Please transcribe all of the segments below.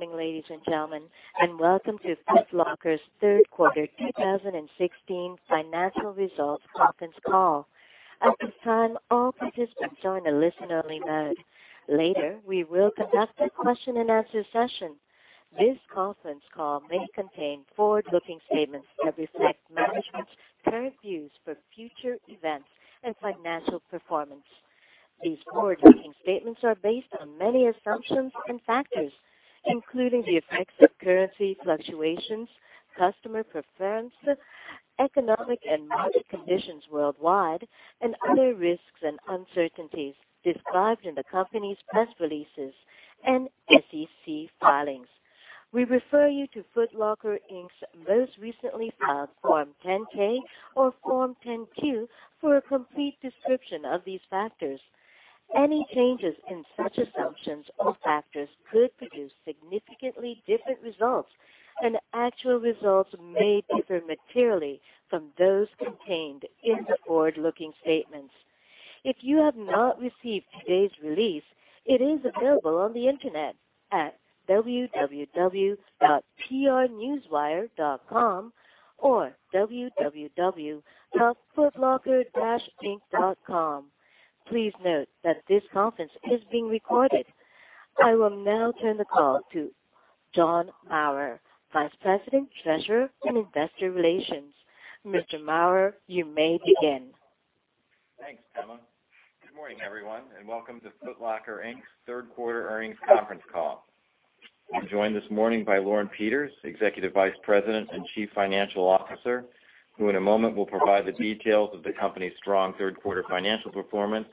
Good morning, ladies and gentlemen, welcome to Foot Locker's third quarter 2016 financial results conference call. At this time, all participants are in a listen-only mode. Later, we will conduct a question-and-answer session. This conference call may contain forward-looking statements that reflect management's current views for future events and financial performance. These forward-looking statements are based on many assumptions and factors, including the effects of currency fluctuations, customer preference, economic and market conditions worldwide, and other risks and uncertainties described in the company's press releases and SEC filings. We refer you to Foot Locker, Inc.'s most recently filed Form 10-K or Form 10-Q for a complete description of these factors. Any changes in such assumptions or factors could produce significantly different results, and actual results may differ materially from those contained in the forward-looking statements. If you have not received today's release, it is available on the internet at www.prnewswire.com or www.footlocker-inc.com. Please note that this conference is being recorded. I will now turn the call to John Maurer, Vice President, Treasurer, and Investor Relations. Mr. Maurer, you may begin. Thanks, Emma. Good morning, everyone, welcome to Foot Locker, Inc.'s third quarter earnings conference call. I'm joined this morning by Lauren Peters, Executive Vice President and Chief Financial Officer, who in a moment will provide the details of the company's strong third quarter financial performance,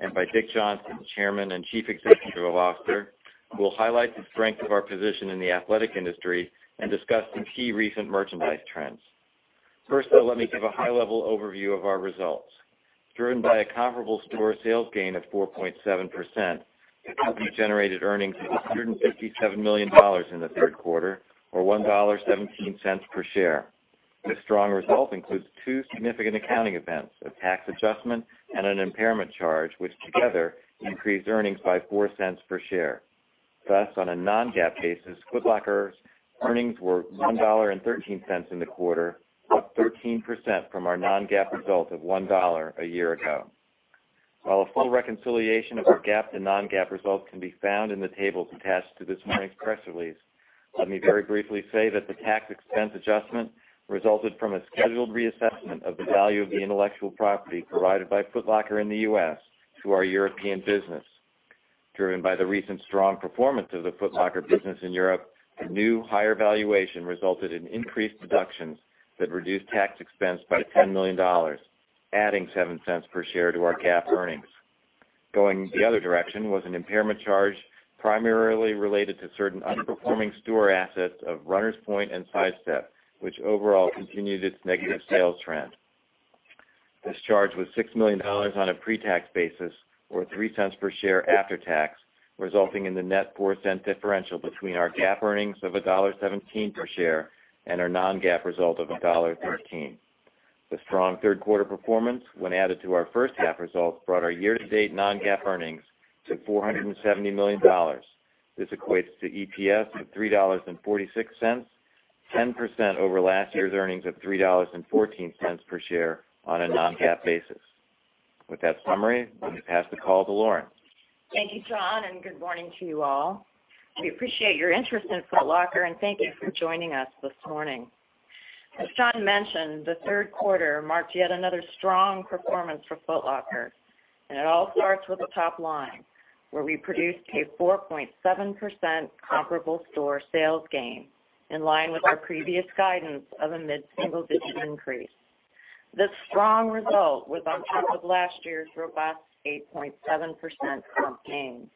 and by Dick Johnson, Chairman and Chief Executive Officer, who will highlight the strength of our position in the athletic industry and discuss some key recent merchandise trends. First, though, let me give a high-level overview of our results. Driven by a comparable store sales gain of 4.7%, the company generated earnings of $157 million in the third quarter or $1.17 per share. This strong result includes two significant accounting events, a tax adjustment and an impairment charge, which together increased earnings by $0.04 per share. Thus, on a non-GAAP basis, Foot Locker's earnings were $1.13 in the quarter, up 13% from our non-GAAP result of $1.00 a year ago. While a full reconciliation of our GAAP to non-GAAP results can be found in the tables attached to this morning's press release, let me very briefly say that the tax expense adjustment resulted from a scheduled reassessment of the value of the intellectual property provided by Foot Locker in the U.S. to our European business. Driven by the recent strong performance of the Foot Locker business in Europe, the new higher valuation resulted in increased deductions that reduced tax expense by $10 million, adding $0.07 per share to our GAAP earnings. Going the other direction was an impairment charge primarily related to certain underperforming store assets of Runners Point and Sidestep, which overall continued its negative sales trend. This charge was $6 million on a pre-tax basis or $0.03 per share after tax, resulting in the net $0.04 differential between our GAAP earnings of $1.17 per share and our non-GAAP result of $1.13. The strong third quarter performance, when added to our first half results, brought our year-to-date non-GAAP earnings to $470 million. This equates to EPS of $3.46, 10% over last year's earnings of $3.14 per share on a non-GAAP basis. With that summary, let me pass the call to Lauren. Thank you, John, and good morning to you all. We appreciate your interest in Foot Locker, and thank you for joining us this morning. As John mentioned, the third quarter marked yet another strong performance for Foot Locker, and it all starts with the top line, where we produced a 4.7% comparable store sales gain in line with our previous guidance of a mid-single-digit increase. This strong result was on top of last year's robust 8.7% comp gain.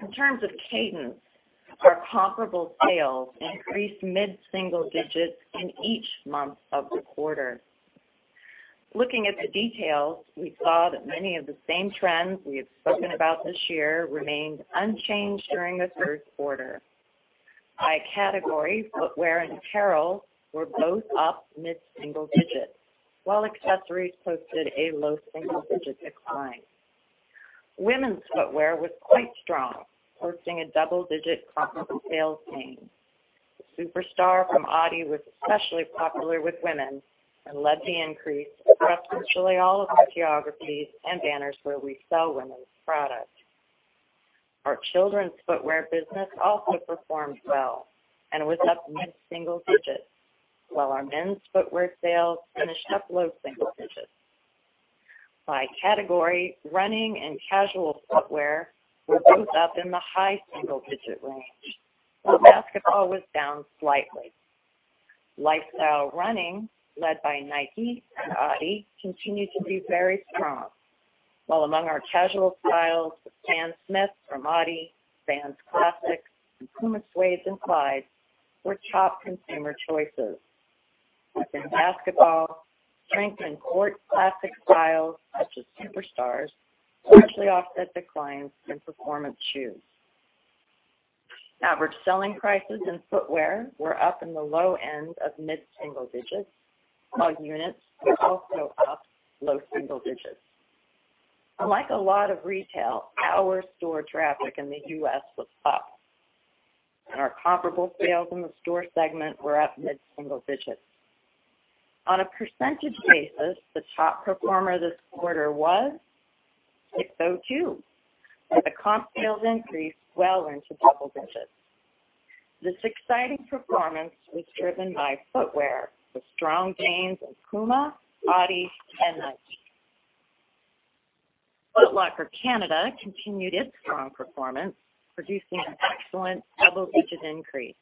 In terms of cadence, our comparable sales increased mid-single digits in each month of the quarter. Looking at the details, we saw that many of the same trends we have spoken about this year remained unchanged during the third quarter. By category, footwear and apparel were both up mid-single digits, while accessories posted a low single-digit decline. Women's footwear was quite strong, posting a double-digit comparable sales gain. Superstar from adidas was especially popular with women and led the increase across virtually all of our geographies and banners where we sell women's product. Our children's footwear business also performed well and was up mid-single digits, while our men's footwear sales finished up low single digits. By category, running and casual footwear were both up in the high single-digit range, while basketball was down slightly. Lifestyle running, led by Nike and adidas, continued to be very strong. While among our casual styles, Stan Smith from adidas, Vans Classics, and Puma Suede and Clyde were top consumer choices. Within basketball, strength in court classic styles such as Superstars partially offset declines in performance shoes. Average selling prices in footwear were up in the low end of mid-single digits, while units were also up low single digits. Unlike a lot of retail, our store traffic in the U.S. was up, and our comparable sales in the store segment were up mid-single digits. On a percentage basis, the top performer this quarter was SIX:02, with a comp sales increase well into double digits. This exciting performance was driven by footwear, with strong gains in PUMA, Adi, and Nike. Foot Locker Canada continued its strong performance, producing an excellent double-digit increase,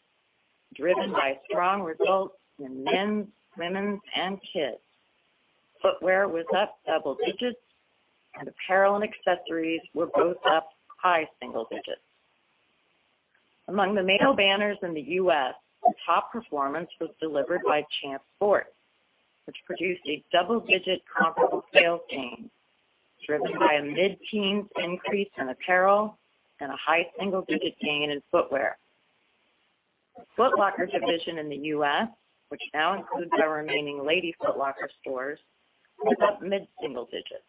driven by strong results in men's, women's, and kids. Footwear was up double digits, and apparel and accessories were both up high single digits. Among the major banners in the U.S., the top performance was delivered by Champs Sports, which produced a double-digit comparable sales gain, driven by a mid-teens increase in apparel and a high single-digit gain in footwear. Foot Locker division in the U.S., which now includes our remaining Lady Foot Locker stores, was up mid-single digits.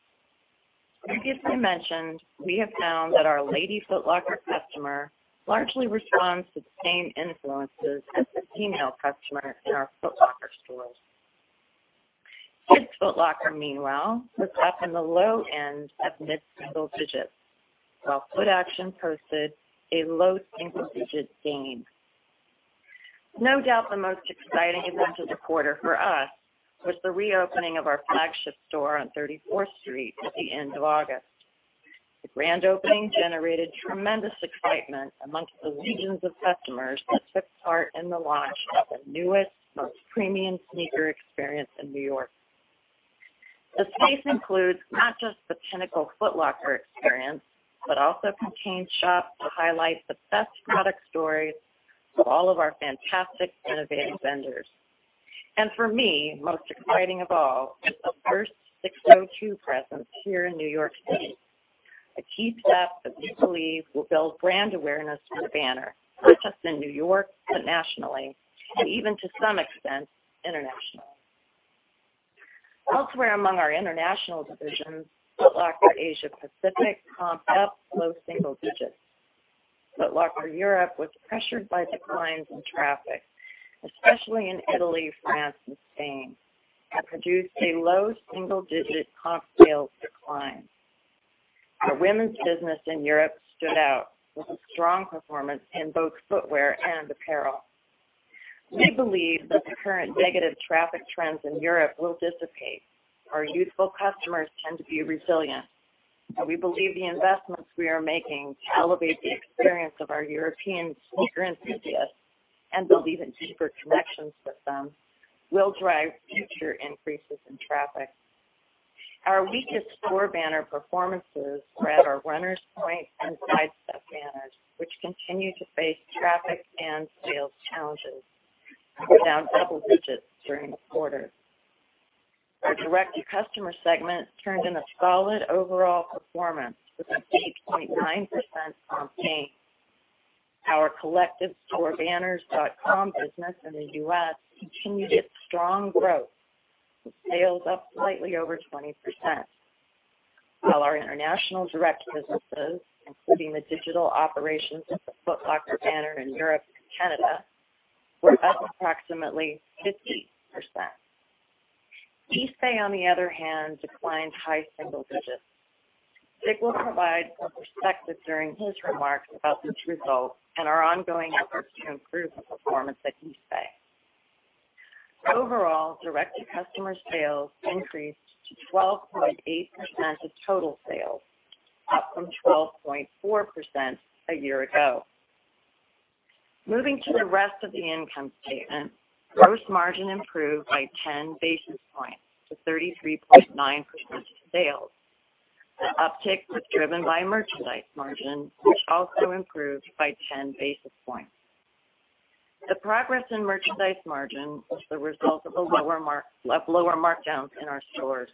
As previously mentioned, we have found that our Lady Foot Locker customer largely responds to the same influences as the female customer in our Foot Locker stores. Kids Foot Locker, meanwhile, was up in the low end of mid-single digits, while Footaction posted a low single-digit gain. No doubt the most exciting event of the quarter for us was the reopening of our flagship store on 34th Street at the end of August. The grand opening generated tremendous excitement amongst the legions of customers that took part in the launch of the newest, most premium sneaker experience in New York. The space includes not just the pinnacle Foot Locker experience, but also contains shops to highlight the best product stories of all of our fantastic, innovative vendors. For me, most exciting of all, it's the first SIX:02 presence here in New York City, a key step that we believe will build brand awareness for the banner, not just in New York, but nationally, and even to some extent, internationally. Elsewhere among our international divisions, Foot Locker Asia Pacific comp-up low single digits. Foot Locker Europe was pressured by declines in traffic, especially in Italy, France, and Spain, that produced a low single-digit comp sales decline. Our women's business in Europe stood out with a strong performance in both footwear and apparel. We believe that the current negative traffic trends in Europe will dissipate. Our youthful customers tend to be resilient, and we believe the investments we are making to elevate the experience of our European sneaker enthusiasts and build even deeper connections with them will drive future increases in traffic. Our weakest store banner performances were at our Runners Point and Sidestep banners, which continue to face traffic and sales challenges, and were down double digits during the quarter. Our direct-to-customer segment turned in a solid overall performance with an 8.9% comp gain. Our collective storebanners.com business in the U.S. continued its strong growth, with sales up slightly over 20%, while our international direct businesses, including the digital operations of the Foot Locker banner in Europe and Canada, were up approximately 50%. Eastbay, on the other hand, declined high single digits. Dick will provide a perspective during his remarks about this result and our ongoing efforts to improve the performance at Eastbay. Overall, direct-to-customer sales increased to 12.8% of total sales, up from 12.4% a year ago. Moving to the rest of the income statement, gross margin improved by 10 basis points to 33.9% of sales. The uptick was driven by merchandise margin, which also improved by 10 basis points. The progress in merchandise margin was the result of lower markdowns in our stores,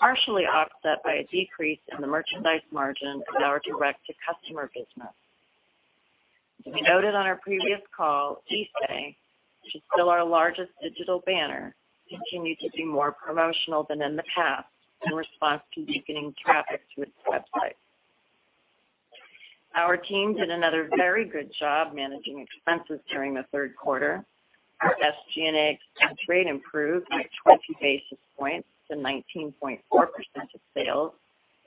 partially offset by a decrease in the merchandise margin of our direct-to-customer business. As we noted on our previous call, Eastbay, which is still our largest digital banner, continued to be more promotional than in the past in response to weakening traffic to its website. Our team did another very good job managing expenses during the third quarter. Our SG&A expense rate improved by 20 basis points to 19.4% of sales,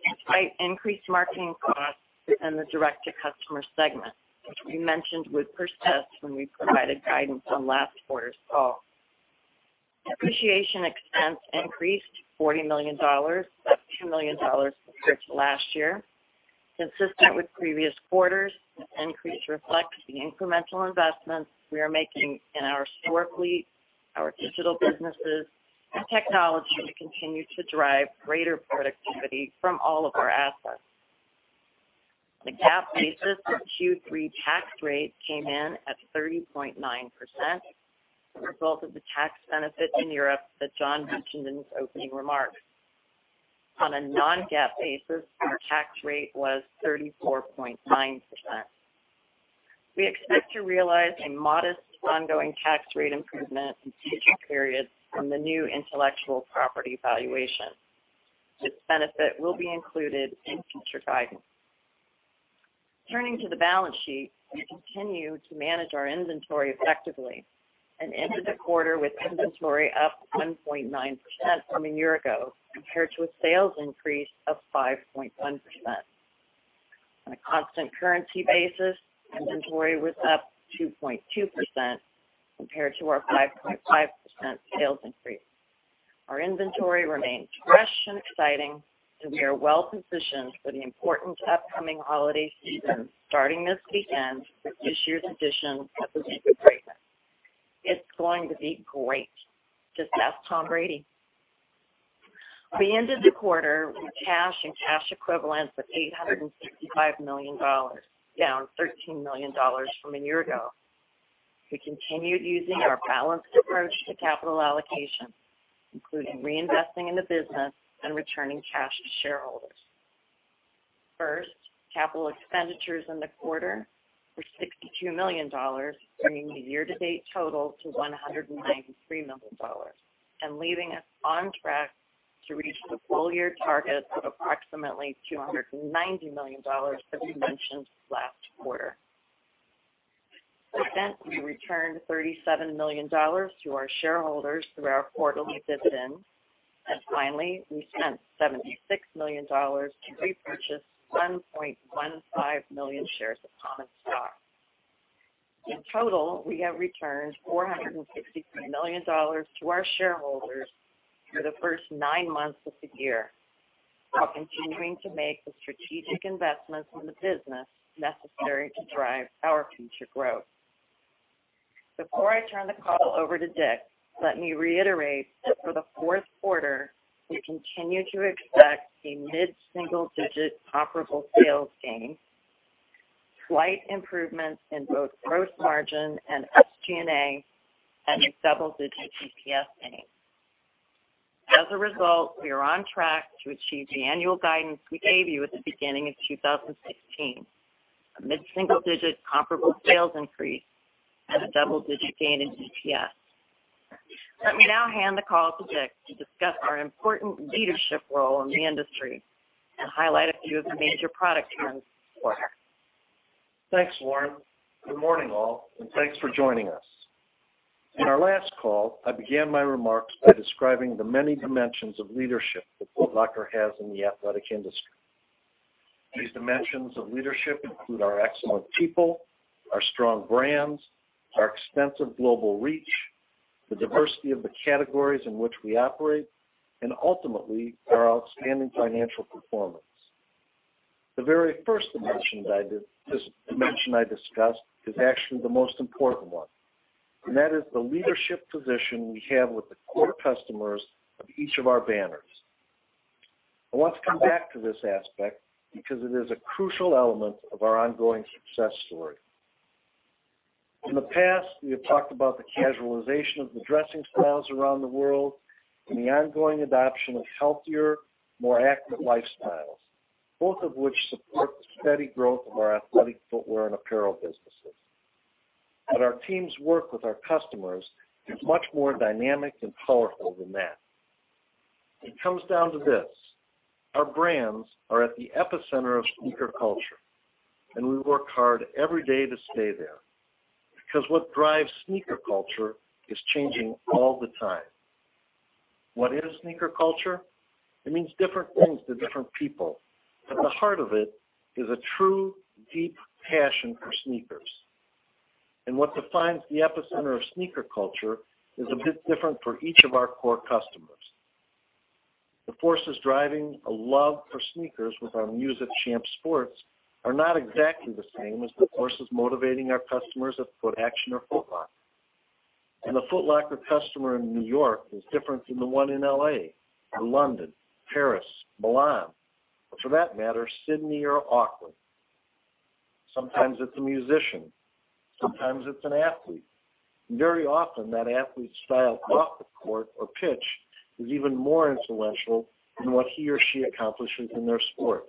despite increased marketing costs in the direct-to-customer segment, which we mentioned would persist when we provided guidance on last quarter's call. Depreciation expense increased to $40 million, up $2 million compared to last year. Consistent with previous quarters, this increase reflects the incremental investments we are making in our store fleet, our digital businesses, and technology to continue to drive greater productivity from all of our assets. On a GAAP basis, the Q3 tax rate came in at 30.9%, the result of the tax benefit in Europe that John mentioned in his opening remarks. On a non-GAAP basis, our tax rate was 34.9%. We expect to realize a modest ongoing tax rate improvement in future periods from the new intellectual property valuation. This benefit will be included in future guidance. Turning to the balance sheet, we continue to manage our inventory effectively and ended the quarter with inventory up 1.9% from a year ago compared to a sales increase of 5.1%. On a constant currency basis, inventory was up 2.2% compared to our 5.5% sales increase. Our inventory remains fresh and exciting, and we are well positioned for the important upcoming holiday season starting this weekend with this year's edition of the sneaker treatment. It's going to be great. Just ask Tom Brady. We ended the quarter with cash and cash equivalents of $865 million, down $13 million from a year ago. We continued using our balanced approach to capital allocation, including reinvesting in the business and returning cash to shareholders. First, capital expenditures in the quarter were $62 million, bringing the year-to-date total to $193 million, and leaving us on track to reach the full-year target of approximately $290 million that we mentioned last quarter. We returned $37 million to our shareholders through our quarterly dividend. Finally, we spent $76 million to repurchase 1.15 million shares of common stock. In total, we have returned $463 million to our shareholders through the first nine months of the year, while continuing to make the strategic investments in the business necessary to drive our future growth. Before I turn the call over to Dick, let me reiterate that for the fourth quarter, we continue to expect a mid-single-digit comparable sales gain, slight improvements in both gross margin and SG&A, and a double-digit EPS gain. As a result, we are on track to achieve the annual guidance we gave you at the beginning of 2016, a mid-single-digit comparable sales increase and a double-digit gain in EPS. Let me now hand the call to Dick to discuss our important leadership role in the industry and highlight a few of the major product trends this quarter. Thanks, Lauren. Good morning, all. Thanks for joining us. In our last call, I began my remarks by describing the many dimensions of leadership that Foot Locker has in the athletic industry. These dimensions of leadership include our excellent people, our strong brands, our extensive global reach, the diversity of the categories in which we operate, and ultimately, our outstanding financial performance. The very first dimension I discussed is actually the most important one, and that is the leadership position we have with the core customers of each of our banners. I want to come back to this aspect because it is a crucial element of our ongoing success story. In the past, we have talked about the casualization of the dressing styles around the world and the ongoing adoption of healthier, more active lifestyles, both of which support the steady growth of our athletic footwear and apparel businesses. Our team's work with our customers is much more dynamic and powerful than that. It comes down to this. Our brands are at the epicenter of sneaker culture, and we work hard every day to stay there because what drives sneaker culture is changing all the time. What is sneaker culture? It means different things to different people, but the heart of it is a true, deep passion for sneakers. What defines the epicenter of sneaker culture is a bit different for each of our core customers. The forces driving a love for sneakers with our muse at Champs Sports are not exactly the same as the forces motivating our customers at Footaction or Foot Locker. The Foot Locker customer in New York is different from the one in L.A. or London, Paris, Milan, or for that matter, Sydney or Auckland. Sometimes it's a musician, sometimes it's an athlete. Very often that athlete's style off the court or pitch is even more influential than what he or she accomplishes in their sport.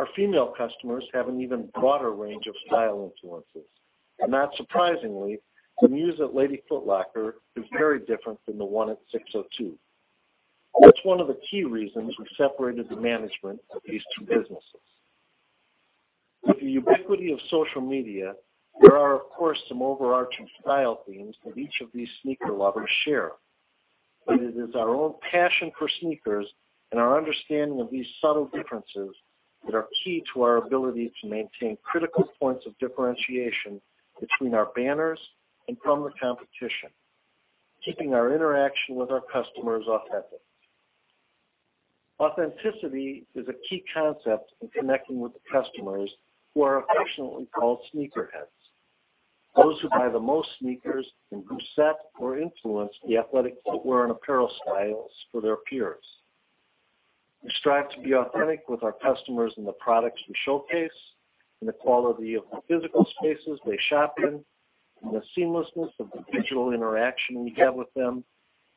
Our female customers have an even broader range of style influences. Not surprisingly, the muse at Lady Foot Locker is very different from the one at SIX:02. That's one of the key reasons we separated the management of these two businesses. With the ubiquity of social media, there are, of course, some overarching style themes that each of these sneaker lovers share. It is our own passion for sneakers and our understanding of these subtle differences that are key to our ability to maintain critical points of differentiation between our banners and from the competition, keeping our interaction with our customers authentic. Authenticity is a key concept in connecting with the customers who are affectionately called sneakerheads, those who buy the most sneakers and who set or influence the athletic footwear and apparel styles for their peers. We strive to be authentic with our customers in the products we showcase, in the quality of the physical spaces they shop in the seamlessness of the digital interaction we have with them,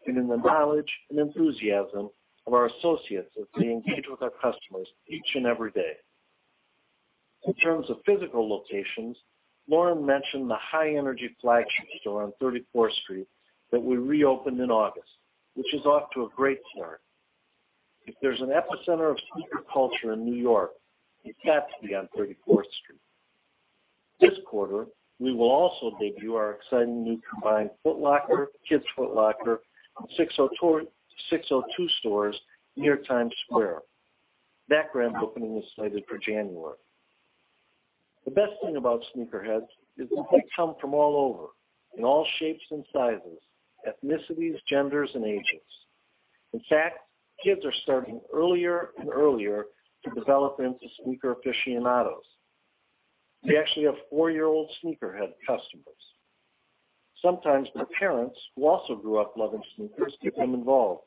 and in the knowledge and enthusiasm of our associates as they engage with our customers each and every day. In terms of physical locations, Lauren mentioned the high-energy flagship store on 34th Street that we reopened in August, which is off to a great start. If there's an epicenter of sneaker culture in New York, it's got to be on 34th Street. This quarter, we will also debut our exciting new combined Foot Locker, Kids Foot Locker, and SIX:02 stores near Times Square. That grand opening is slated for January. The best thing about sneakerheads is that they come from all over, in all shapes and sizes, ethnicities, genders, and ages. In fact, kids are starting earlier and earlier to develop into sneaker aficionados. We actually have four-year-old sneakerhead customers. Sometimes their parents, who also grew up loving sneakers, get them involved,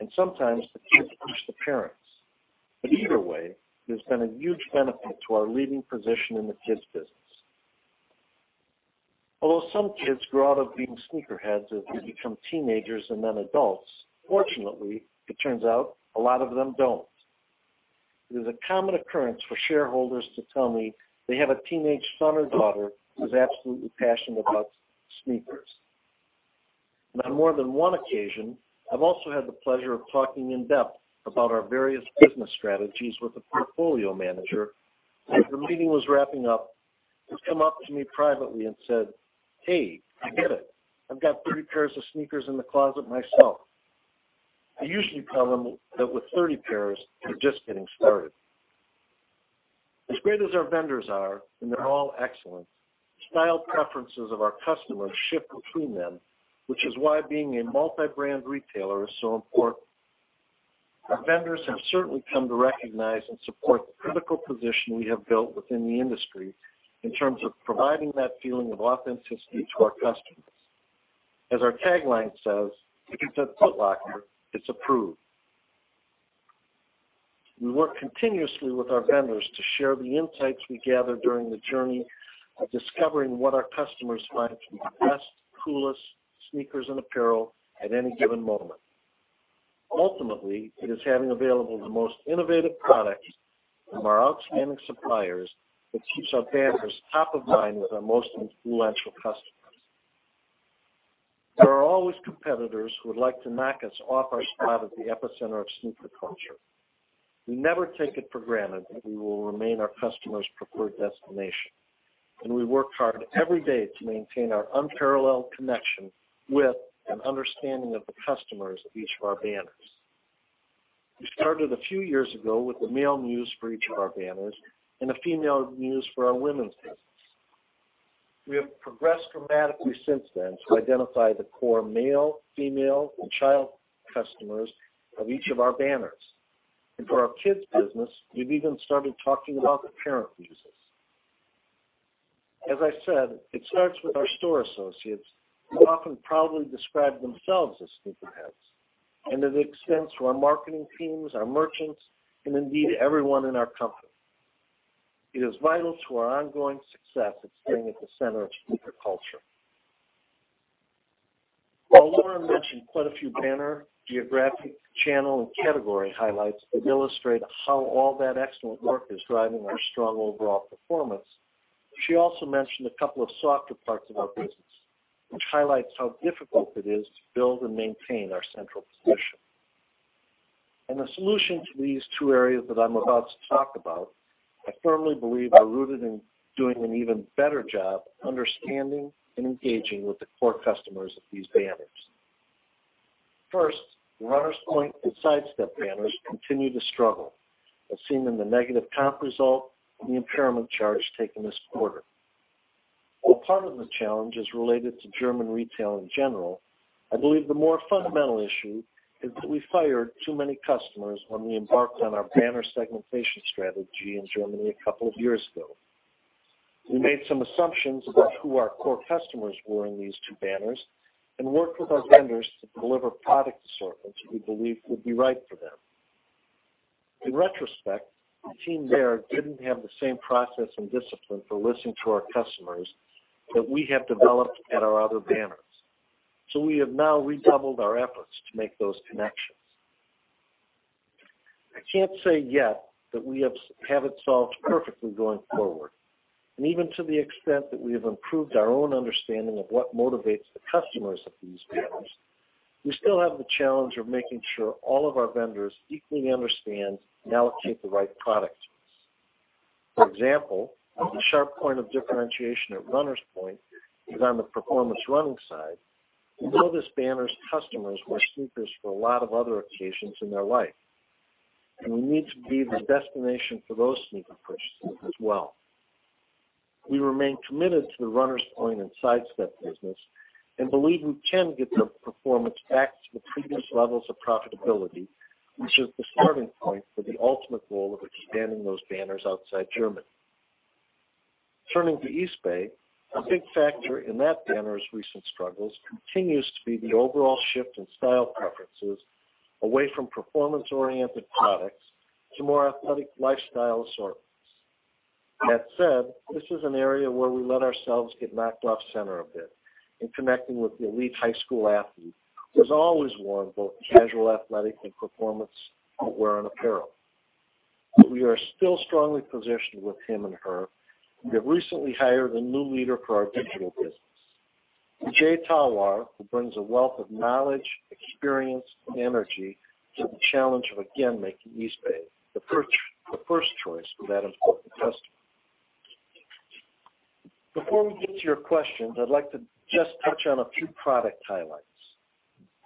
and sometimes the kids push the parents. Either way, it has been a huge benefit to our leading position in the kids business. Although some kids grow out of being sneakerheads as they become teenagers and then adults, fortunately, it turns out a lot of them don't. It is a common occurrence for shareholders to tell me they have a teenage son or daughter who's absolutely passionate about sneakers. On more than one occasion, I've also had the pleasure of talking in depth about our various business strategies with a portfolio manager. As the meeting was wrapping up, he came up to me privately and said, "Hey, I get it. I've got 30 pairs of sneakers in the closet myself." I usually tell them that with 30 pairs, they're just getting started. As great as our vendors are, and they're all excellent, style preferences of our customers shift between them, which is why being a multi-brand retailer is so important. Our vendors have certainly come to recognize and support the critical position we have built within the industry in terms of providing that feeling of authenticity to our customers. As our tagline says, "If it's at Foot Locker, it's approved." We work continuously with our vendors to share the insights we gather during the journey of discovering what our customers find to be the best, coolest sneakers and apparel at any given moment. Ultimately, it is having available the most innovative products from our outstanding suppliers that keeps our banners top of mind with our most influential customers. There are always competitors who would like to knock us off our spot at the epicenter of sneaker culture. We never take it for granted that we will remain our customers' preferred destination, and we work hard every day to maintain our unparalleled connection with an understanding of the customers of each of our banners. We started a few years ago with the male muse for each of our banners and a female muse for our women's business. We have progressed dramatically since then to identify the core male, female, and child customers of each of our banners. For our kids business, we've even started talking about the parent muses. As I said, it starts with our store associates, who often proudly describe themselves as sneakerheads, and it extends to our marketing teams, our merchants, and indeed everyone in our company. It is vital to our ongoing success of staying at the center of sneaker culture. While Lauren mentioned quite a few banner, geographic, channel, and category highlights that illustrate how all that excellent work is driving our strong overall performance, she also mentioned a couple of softer parts of our business, which highlights how difficult it is to build and maintain our central position. The solution to these two areas that I'm about to talk about, I firmly believe are rooted in doing an even better job understanding and engaging with the core customers of these banners. First, the Runners Point and Sidestep banners continue to struggle, as seen in the negative comp result and the impairment charge taken this quarter. While part of the challenge is related to German retail in general, I believe the more fundamental issue is that we fired too many customers when we embarked on our banner segmentation strategy in Germany a couple of years ago. We made some assumptions about who our core customers were in these two banners and worked with our vendors to deliver product assortments we believed would be right for them. In retrospect, the team there didn't have the same process and discipline for listening to our customers that we have developed at our other banners. We have now redoubled our efforts to make those connections. I can't say yet that we have it solved perfectly going forward, and even to the extent that we have improved our own understanding of what motivates the customers of these banners, we still have the challenge of making sure all of our vendors equally understand and allocate the right product to us. For example, the sharp point of differentiation at Runners Point is on the performance running side. We know this banner's customers wear sneakers for a lot of other occasions in their life, and we need to be the destination for those sneaker purchases as well. We remain committed to the Runners Point and Sidestep business and believe we can get their performance back to the previous levels of profitability, which is the starting point for the ultimate goal of expanding those banners outside Germany. Turning to Eastbay, a big factor in that banner's recent struggles continues to be the overall shift in style preferences- away from performance-oriented products to more athletic lifestyle assortments. That said, this is an area where we let ourselves get knocked off center a bit in connecting with the elite high school athlete, who has always worn both casual athletic and performance wear and apparel. We are still strongly positioned with him and her. We have recently hired a new leader for our digital business, Vijay Talwar, who brings a wealth of knowledge, experience, and energy to the challenge of again making Eastbay the first choice for that important customer. Before we get to your questions, I'd like to just touch on a few product highlights.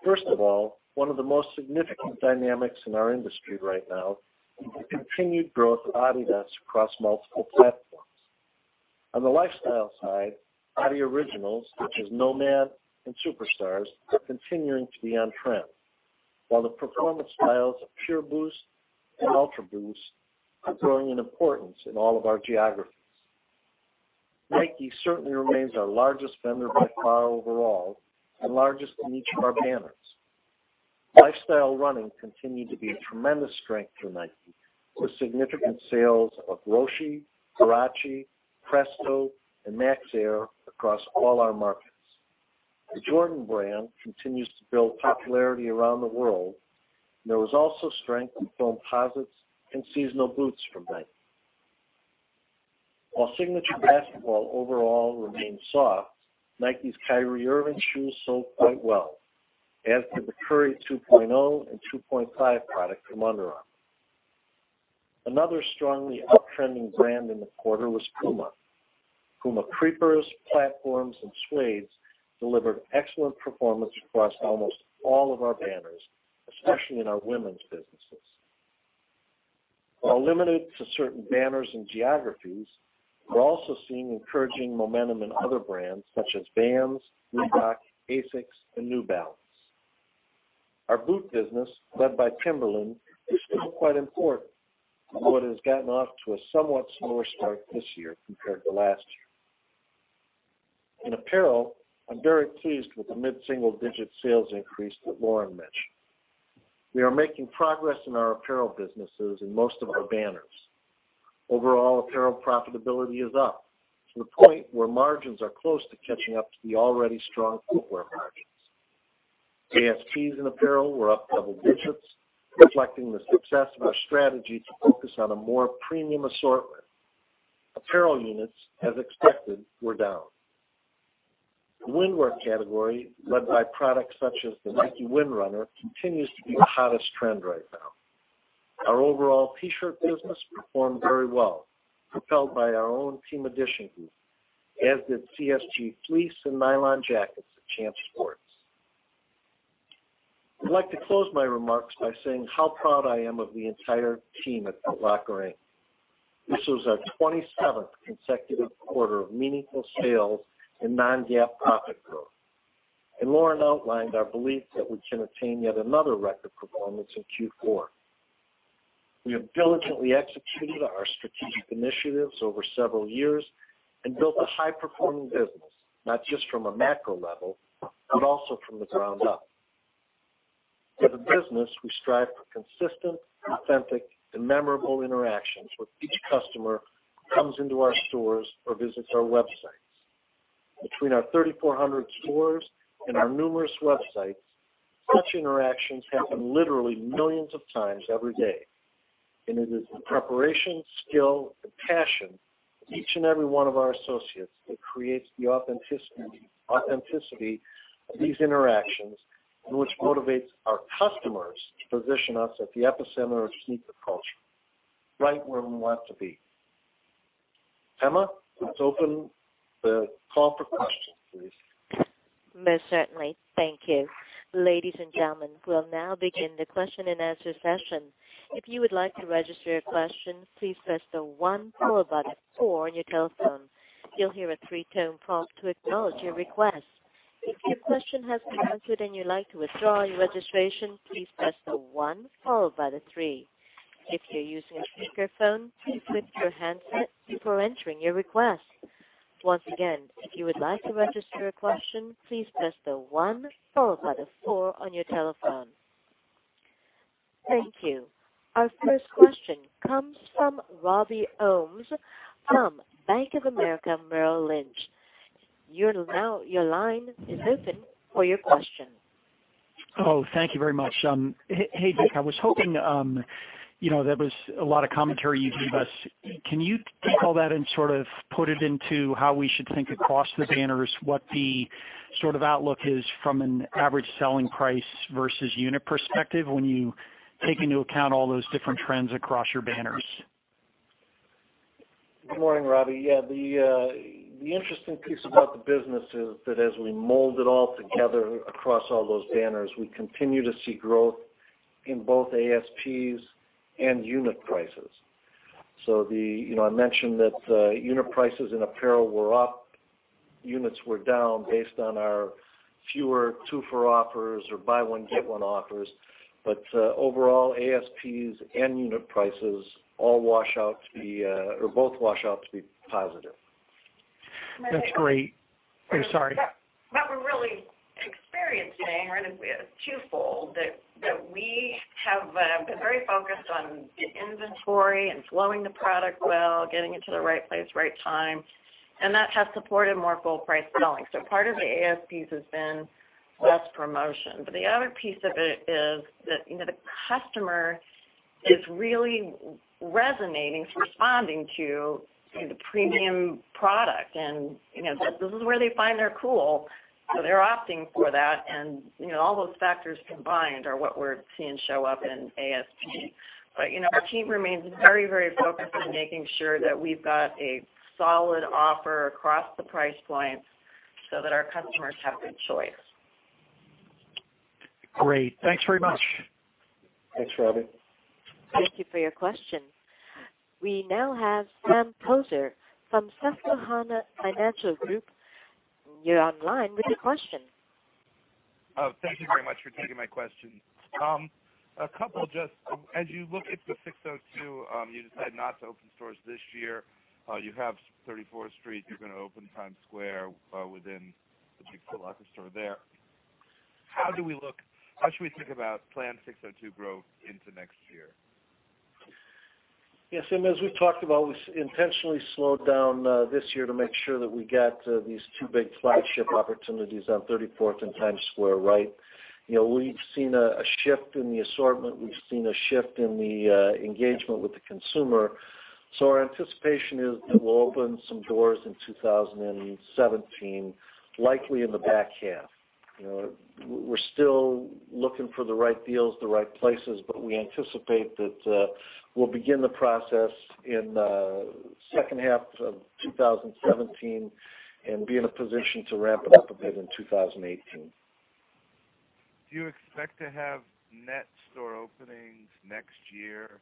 First of all, one of the most significant dynamics in our industry right now is the continued growth of adidas across multiple platforms. On the lifestyle side, adi Originals, such as NMD and Superstars, are continuing to be on trend, while the performance styles of Pureboost and Ultraboost are growing in importance in all of our geographies. Nike certainly remains our largest vendor by far overall and largest in each of our banners. Lifestyle running continued to be a tremendous strength for Nike, with significant sales of Roshe, Huarache, Presto, and Air Max across all our markets. The Jordan Brand continues to build popularity around the world, and there was also strength in Foamposites and seasonal boots from Nike. While signature basketball overall remains soft, Nike's Kyrie Irving shoes sold quite well, as did the Curry 2.0 and 2.5 product from Under Armour. Another strongly uptrending brand in the quarter was PUMA. PUMA Creepers, platforms, and suedes delivered excellent performance across almost all of our banners, especially in our women's businesses. While limited to certain banners and geographies, we are also seeing encouraging momentum in other brands such as Vans, New Rock, ASICS, and New Balance. Our boot business, led by Timberland, is still quite important, although it has gotten off to a somewhat slower start this year compared to last year. In apparel, I am very pleased with the mid-single-digit sales increase that Lauren mentioned. We are making progress in our apparel businesses in most of our banners. Overall apparel profitability is up to the point where margins are close to catching up to the already strong footwear margins. ASPs in apparel were up double digits, reflecting the success of our strategy to focus on a more premium assortment. Apparel units, as expected, were down. The windwear category, led by products such as the Nike Windrunner, continues to be the hottest trend right now. Our overall T-shirt business performed very well, propelled by our own Team Edition group, as did CSG fleece and nylon jackets at Champs Sports. I would like to close my remarks by saying how proud I am of the entire team at Foot Locker, Inc. This was our 27th consecutive quarter of meaningful sales and non-GAAP profit growth. Lauren outlined our belief that we can attain yet another record performance in Q4. We have diligently executed our strategic initiatives over several years and built a high-performing business, not just from a macro level, but also from the ground up. As a business, we strive for consistent, authentic, and memorable interactions with each customer who comes into our stores or visits our websites. Between our 3,400 stores and our numerous websites, such interactions happen literally millions of times every day, and it is the preparation, skill, and passion of each and every one of our associates that creates the authenticity of these interactions and which motivates our customers to position us at the epicenter of sneaker culture, right where we want to be. Emma, let's open the call for questions, please. Most certainly. Thank you. Ladies and gentlemen, we will now begin the question-and-answer session. If you would like to register your question, please press the one followed by the four on your telephone. You will hear a three-tone prompt to acknowledge your request. If your question has been answered and you would like to withdraw your registration, please press the one followed by the three. If you are using a speakerphone, please clip your handset before entering your request. Once again, if you would like to register a question, please press the one followed by the four on your telephone. Thank you. Our first question comes from Robbie Ohmes from Bank of America Merrill Lynch. Your line is open for your question. Thank you very much. Hey, Vic. There was a lot of commentary you gave us. Can you take all that and sort of put it into how we should think across the banners, what the sort of outlook is from an average selling price versus unit perspective when you take into account all those different trends across your banners? Good morning, Robbie. Yeah. The interesting piece about the business is that as we mold it all together across all those banners, we continue to see growth in both ASPs and unit prices. I mentioned that unit prices in apparel were up. Units were down based on our fewer two-for offers or buy one, get one offers. Overall, ASPs and unit prices both wash out to be positive. That's great. I'm sorry. What we're really experiencing right now is twofold. That we have been very focused on the inventory and flowing the product well, getting it to the right place, right time, and that has supported more full-price selling. Part of the ASPs has been less promotion. The other piece of it is that the customer is really resonating, is responding to the premium product. This is where they find their cool, so they're opting for that. All those factors combined are what we're seeing show up in ASP. Our team remains very focused on making sure that we've got a solid offer across the price points so that our customers have good choice. Great. Thanks very much. Thanks, Robbie. Thank you for your question. We now have Sam Poser from Susquehanna Financial Group. You're online with your question. Oh, thank you very much for taking my question. As you look at the SIX:02, you decided not to open stores this year. You have 34th Street, you're going to open Times Square within the Kids Foot Locker store there. How should we think about Plan SIX:02 growth into next year? As we've talked about, we intentionally slowed down this year to make sure that we get these two big flagship opportunities on 34th and Times Square. We've seen a shift in the assortment. We've seen a shift in the engagement with the consumer. Our anticipation is that we'll open some doors in 2017, likely in the back half. We're still looking for the right deals, the right places, but we anticipate that we'll begin the process in the second half of 2017 and be in a position to ramp it up a bit in 2018. Do you expect to have net store openings next year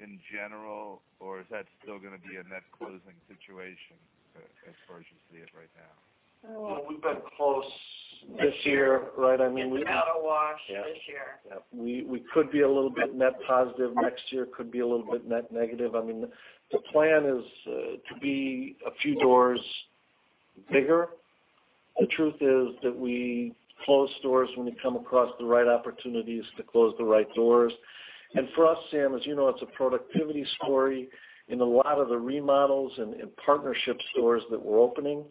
in general, or is that still going to be a net closing situation as far as you see it right now? We've been close this year. It's a wash this year. We could be a little bit net positive next year, could be a little bit net negative. The plan is to be a few doors bigger. The truth is that we close stores when we come across the right opportunities to close the right doors. For us, Sam, as you know, it's a productivity story in a lot of the remodels and partnership stores that we're opening.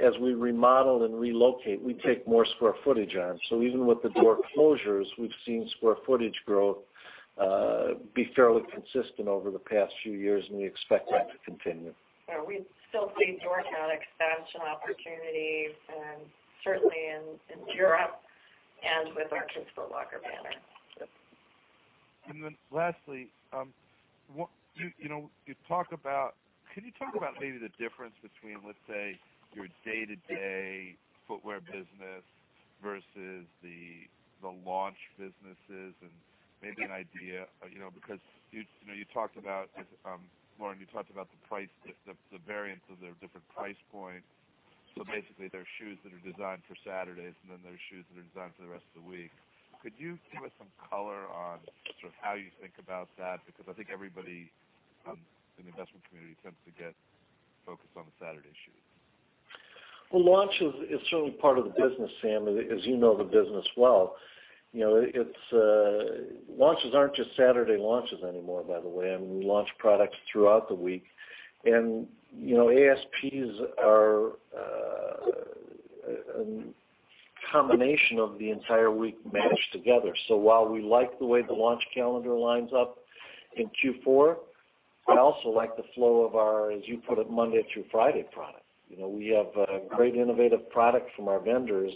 As we remodel and relocate, we take more square footage on. Even with the door closures, we've seen square footage growth be fairly consistent over the past few years, and we expect that to continue. Yeah, we still see door count expansion opportunities, certainly in Europe and with our Kids Foot Locker banner. Lastly, can you talk about maybe the difference between, let's say, your day-to-day footwear business versus the launch businesses and maybe an idea. Lauren, you talked about the variance of the different price points. Basically, there are shoes that are designed for Saturdays, then there are shoes that are designed for the rest of the week. Could you give us some color on sort of how you think about that? I think everybody in the investment community tends to get focused on the Saturday shoe. Well, launch is certainly part of the business, Sam, as you know the business well. Launches aren't just Saturday launches anymore, by the way. We launch products throughout the week. ASPs are a combination of the entire week mashed together. While we like the way the launch calendar lines up in Q4, I also like the flow of our, as you put it, Monday through Friday product. We have great innovative product from our vendors,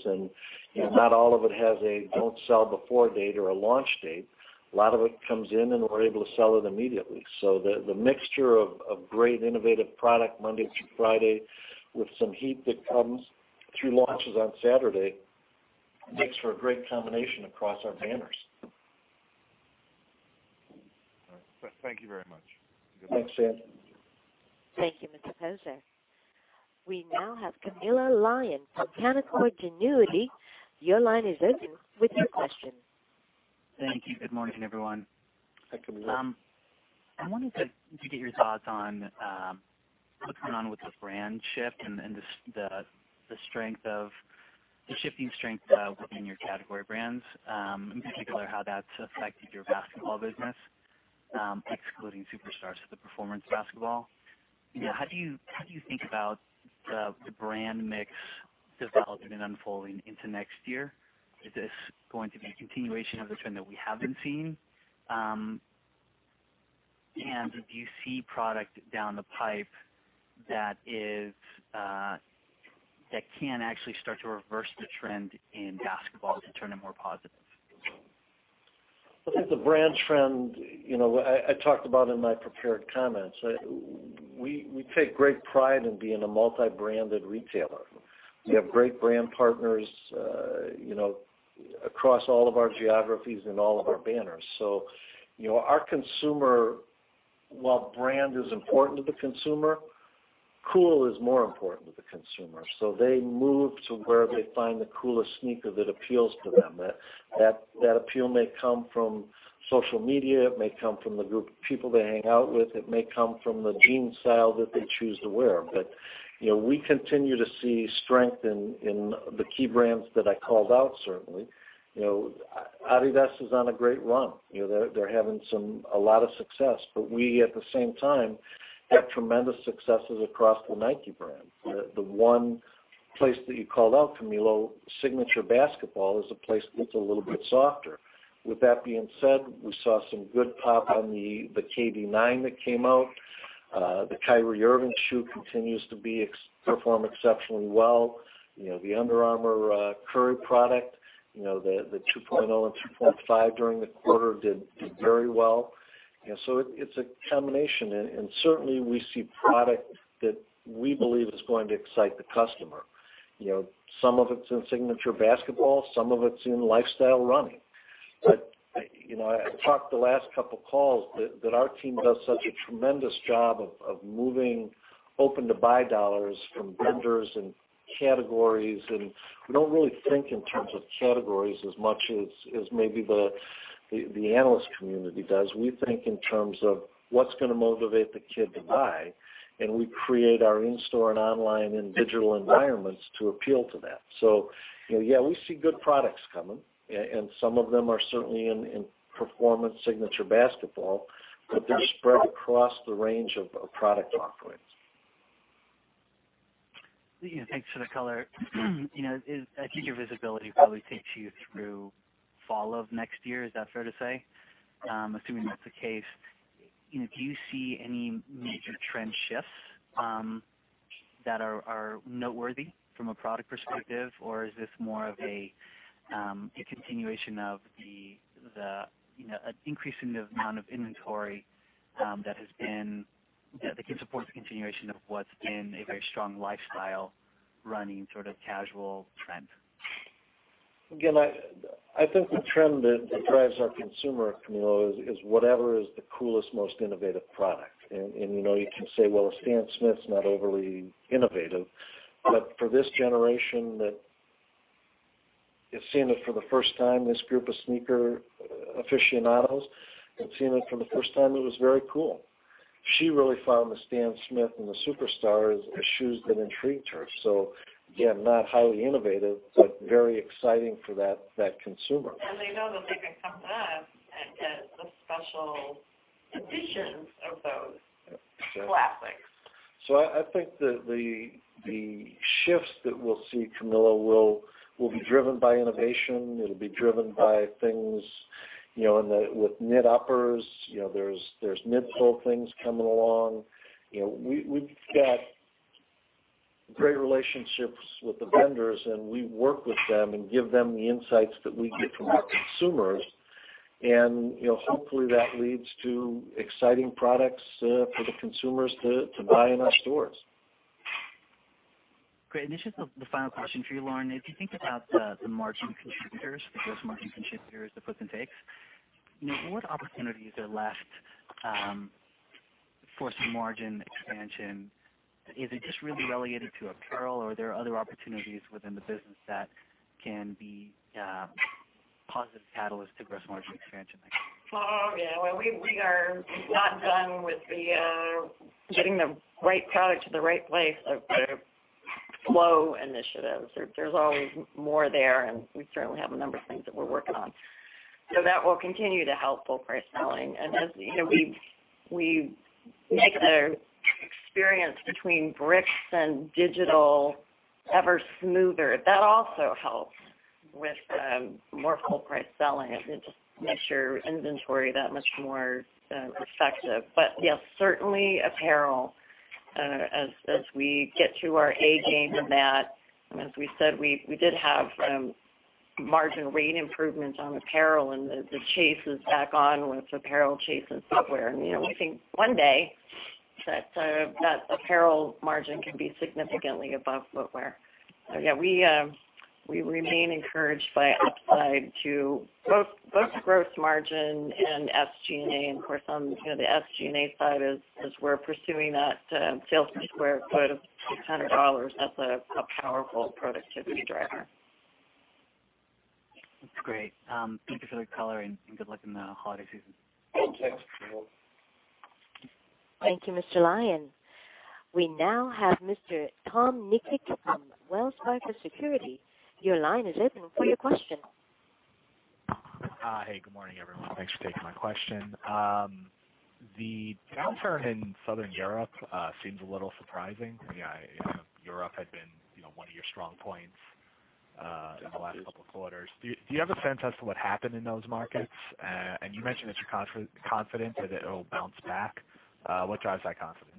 not all of it has a don't sell before date or a launch date. A lot of it comes in, we're able to sell it immediately. The mixture of great innovative product Monday through Friday with some heat that comes through launches on Saturday makes for a great combination across our banners. All right. Thank you very much. Thanks, Sam. Thank you, Mr. Poser. We now have Camilo Lyon from Canaccord Genuity. Your line is open with your question. Thank you. Good morning, everyone. Hi, Camilo. I wanted to get your thoughts on what's going on with the brand shift and the shifting strength within your category brands, in particular how that's affected your basketball business, excluding Superstars of the performance basketball. How do you think about the brand mix developing and unfolding into next year? Is this going to be a continuation of the trend that we have been seeing? Do you see product down the pipe that can actually start to reverse the trend in basketball to turn it more positive? I think the brand trend, I talked about in my prepared comments. We take great pride in being a multi-branded retailer. We have great brand partners across all of our geographies and all of our banners. While brand is important to the consumer, cool is more important. the consumer. They move to where they find the coolest sneaker that appeals to them. That appeal may come from social media, it may come from the group of people they hang out with, it may come from the jean style that they choose to wear. We continue to see strength in the key brands that I called out, certainly. adidas is on a great run. They're having a lot of success. We, at the same time, have tremendous successes across the Nike brand. The one place that you called out, Camilo, signature basketball, is a place that's a little bit softer. With that being said, we saw some good pop on the KD 9 that came out. The Kyrie Irving shoe continues to perform exceptionally well. The Under Armour Curry product, the 2.0 and 2.5 during the quarter did very well. It's a combination, and certainly we see product that we believe is going to excite the customer. Some of it's in signature basketball, some of it's in lifestyle running. I talked the last couple of calls that our team does such a tremendous job of moving open-to-buy dollars from vendors and categories, and we don't really think in terms of categories as much as maybe the analyst community does. We think in terms of what's going to motivate the kid to buy. We create our in-store and online and digital environments to appeal to that. Yeah, we see good products coming, Some of them are certainly in performance signature basketball, but they're spread across the range of product offerings. Thanks for the color. I think your visibility probably takes you through fall of next year. Is that fair to say? Assuming that's the case, do you see any major trend shifts that are noteworthy from a product perspective, or is this more of a continuation of an increase in the amount of inventory that can support the continuation of what's been a very strong lifestyle running sort of casual trend? Again, I think the trend that drives our consumer, Camilo, is whatever is the coolest, most innovative product. You can say, well, a Stan Smith's not overly innovative. For this generation that is seeing it for the first time, this group of sneaker aficionados, seeing it for the first time, it was very cool. She really found the Stan Smith and the Superstar as shoes that intrigued her. Again, not highly innovative, but very exciting for that consumer. They know that they can come to us and get the special editions of those classics. I think that the shifts that we'll see, Camilo, will be driven by innovation. It'll be driven by things with knit uppers. There's midsole things coming along. We've got great relationships with the vendors, we work with them and give them the insights that we get from our consumers. Hopefully, that leads to exciting products for the consumers to buy in our stores. Great. This is the final question for you, Lauren. If you think about the margin contributors, the gross margin contributors, the puts and takes, what opportunities are left for some margin expansion? Is it just really relegated to apparel, are there other opportunities within the business that can be a positive catalyst to gross margin expansion? Oh, yeah. Well, we are not done with getting the right product to the right place, the flow initiatives. There's always more there, we certainly have a number of things that we're working on. That will continue to help full price selling. As we make the experience between bricks and digital ever smoother, that also helps with more full price selling. It just makes your inventory that much more effective. Yes, certainly apparel, as we get to our A game in that. As we said, we did have some margin rate improvements on apparel, the chase is back on with apparel chasing footwear. We think one day that apparel margin can be significantly above footwear. Yeah, we remain encouraged by upside to both gross margin and SG&A. Of course, on the SG&A side, as we're pursuing that sales per square foot of $200, that's a powerful productivity driver. That's great. Thank you for the color. Good luck in the holiday season. Thanks, Camilo. Thank you, Mr. Lyon. We now have Mr. Tom Nikic from Wells Fargo Securities. Your line is open for your question. Hey, good morning, everyone. Thanks for taking my question. The downturn in Southern Europe seems a little surprising. Europe had been one of your strong points in the last couple of quarters. Do you have a sense as to what happened in those markets? You mentioned that you're confident that it'll bounce back. What drives that confidence?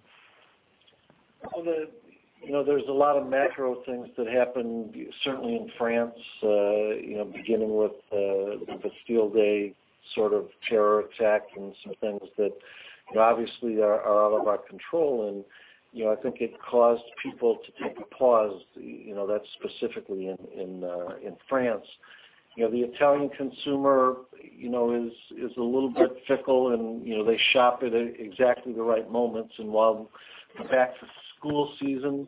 There's a lot of macro things that happened, certainly in France, beginning with the Bastille Day sort of terror attack and some things that obviously are out of our control. I think it caused people to take a pause. That's specifically in France. The Italian consumer is a little bit fickle, and they shop at exactly the right moments. While the back-to-school season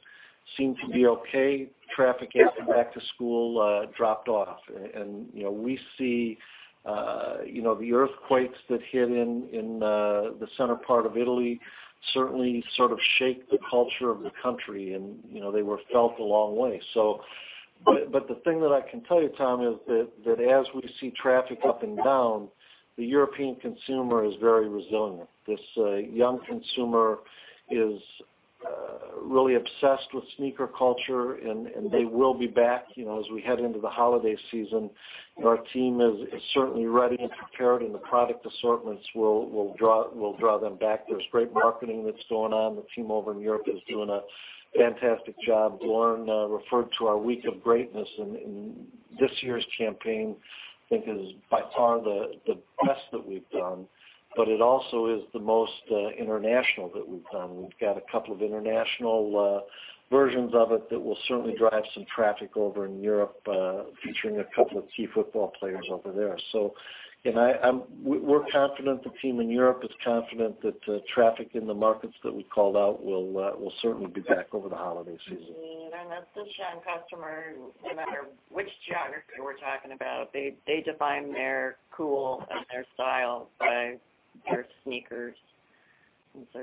seemed to be okay, traffic after back to school dropped off. We see the earthquakes that hit in the center part of Italy certainly sort of shake the culture of the country, and they were felt a long way. The thing that I can tell you, Tom, is that as we see traffic up and down, the European consumer is very resilient. This young consumer is really obsessed with sneaker culture, and they will be back as we head into the holiday season. Our team is certainly ready and prepared, and the product assortments will draw them back. There's great marketing that's going on. The team over in Europe is doing a fantastic job. Lauren referred to our Week of Greatness, this year's campaign, I think, is by far the best that we've done. It also is the most international that we've done. We've got a couple of international versions of it that will certainly drive some traffic over in Europe, featuring a couple of key football players over there. We're confident the team in Europe is confident that traffic in the markets that we called out will certainly be back over the holiday season. That's the same customer, no matter which geography we're talking about. They define their cool and their style by their sneakers.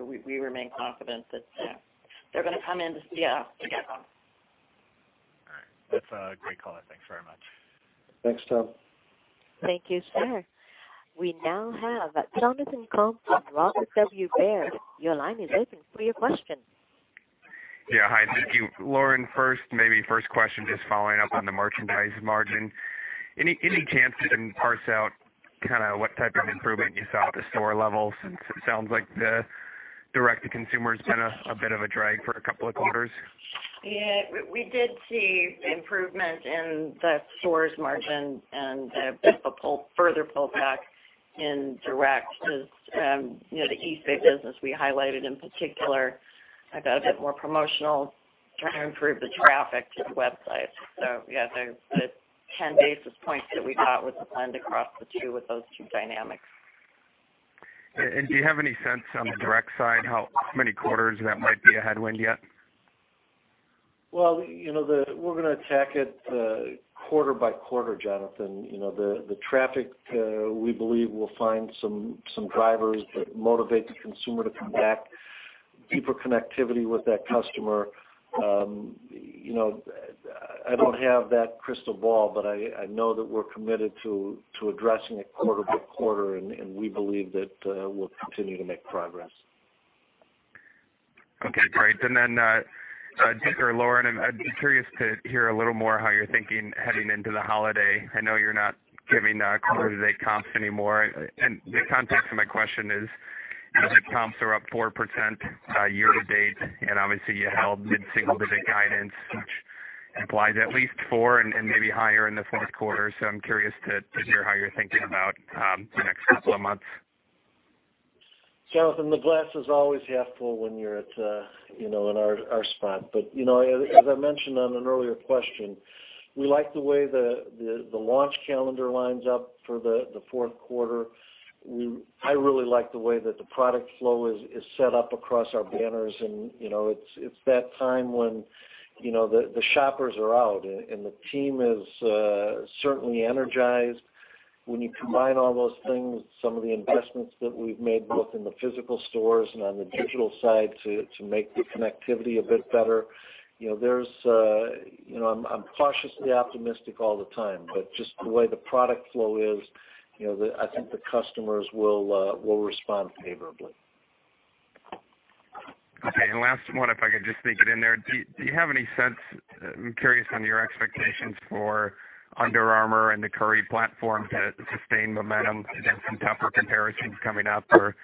We remain confident that they're going to come in to see us again. All right. That's a great call in. Thanks very much. Thanks, Tom. Thank you, sir. We now have Jonathan Komp from Robert W. Baird. Your line is open for your question. Yeah. Hi. Thank you. Lauren, first question, just following up on the merchandise margin. Any chance you can parse out what type of improvement you saw at the store level since it sounds like the direct to consumer has been a bit of a drag for a couple of quarters? Yeah. We did see improvement in the stores margin and a bit of a further pull back in direct. The Eastbay business we highlighted in particular got a bit more promotional trying to improve the traffic to the website. Yeah, the 10 basis points that we got was planned across the two with those two dynamics. Do you have any sense on the direct side how many quarters that might be a headwind yet? We're going to attack it quarter by quarter, Jonathan. The traffic, we believe, will find some drivers that motivate the consumer to come back, deeper connectivity with that customer. I don't have that crystal ball, but I know that we're committed to addressing it quarter by quarter, and we believe that we'll continue to make progress. Great. Dick or Lauren, I'd be curious to hear a little more how you're thinking heading into the holiday. I know you're not giving same-day comps anymore. The context of my question is, comps are up 4% year to date, and obviously, you held mid-single-digit guidance, which implies at least four and maybe higher in the fourth quarter. I'm curious to hear how you're thinking about the next couple of months. Jonathan, the glass is always half full when you're in our spot. As I mentioned on an earlier question, we like the way the launch calendar lines up for the fourth quarter. I really like the way that the product flow is set up across our banners, and it's that time when the shoppers are out, and the team is certainly energized. You combine all those things, some of the investments that we've made both in the physical stores and on the digital side to make the connectivity a bit better. I'm cautiously optimistic all the time, just the way the product flow is, I think the customers will respond favorably. Okay. And last one, if I could just sneak it in there. Do you have any sense, I'm curious on your expectations for Under Armour and the Curry platform to sustain momentum against some tougher comparisons coming up, or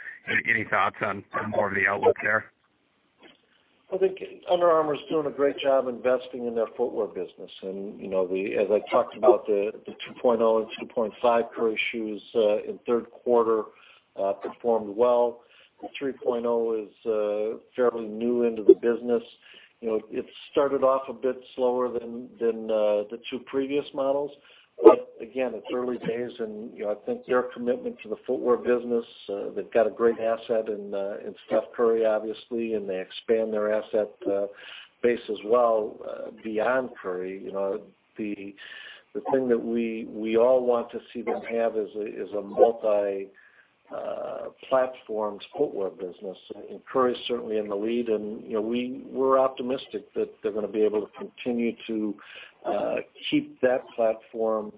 any thoughts on more of the outlook there? I think Under Armour is doing a great job investing in their footwear business. As I talked about, the 2.0 and 2.5 Curry shoes in third quarter performed well. The 3.0 is a fairly new end of the business. It started off a bit slower than the two previous models. Again, it's early days, and I think their commitment to the footwear business, they've got a great asset in Steph Curry, obviously, and they expand their asset base as well beyond Curry. The thing that we all want to see them have is a multi-platform footwear business. Curry is certainly in the lead, and we're optimistic that they're going to be able to continue to keep that platform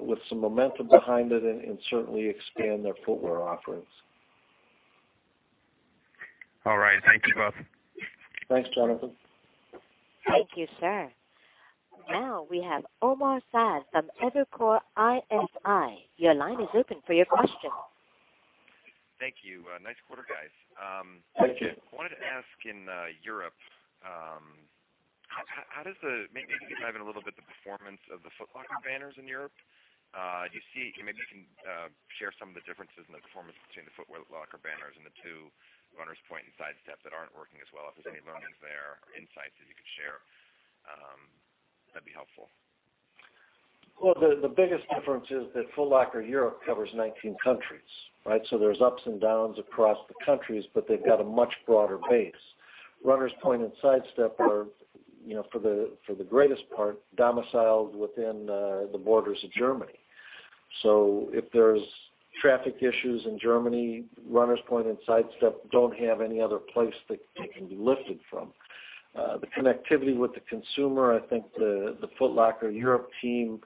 with some momentum behind it and certainly expand their footwear offerings. All right. Thank you both. Thanks, Jonathan. Thank you, sir. Now, we have Omar Saad from Evercore ISI. Your line is open for your questions. Thank you. Nice quarter, guys. Thank you. I wanted to ask in Europe. Maybe you can dive in a little bit the performance of the Foot Locker banners in Europe. Do you see, maybe you can share some of the differences in the performance between the Foot Locker banners and the two Runners Point and Sidestep that aren't working as well, if there's any learnings there or insights that you could share, that'd be helpful. Well, the biggest difference is that Foot Locker Europe covers 19 countries. There's ups and downs across the countries, but they've got a much broader base. Runners Point and Sidestep are, for the greatest part, domiciled within the borders of Germany. If there's traffic issues in Germany, Runners Point and Sidestep don't have any other place that they can be lifted from. The connectivity with the consumer, I think the Foot Locker Europe team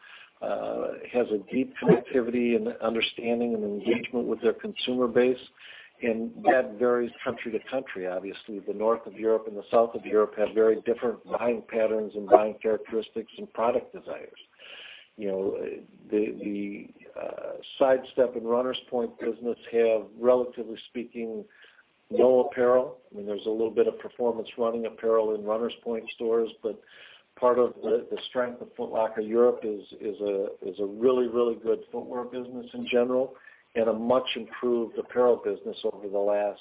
has a deep connectivity and understanding and engagement with their consumer base, and that varies country to country. Obviously, the north of Europe and the south of Europe have very different buying patterns and buying characteristics and product desires. The Sidestep and Runners Point business have, relatively speaking, no apparel. There's a little bit of performance running apparel in Runners Point stores, but part of the strength of Foot Locker Europe is a really good footwear business in general and a much-improved apparel business over the last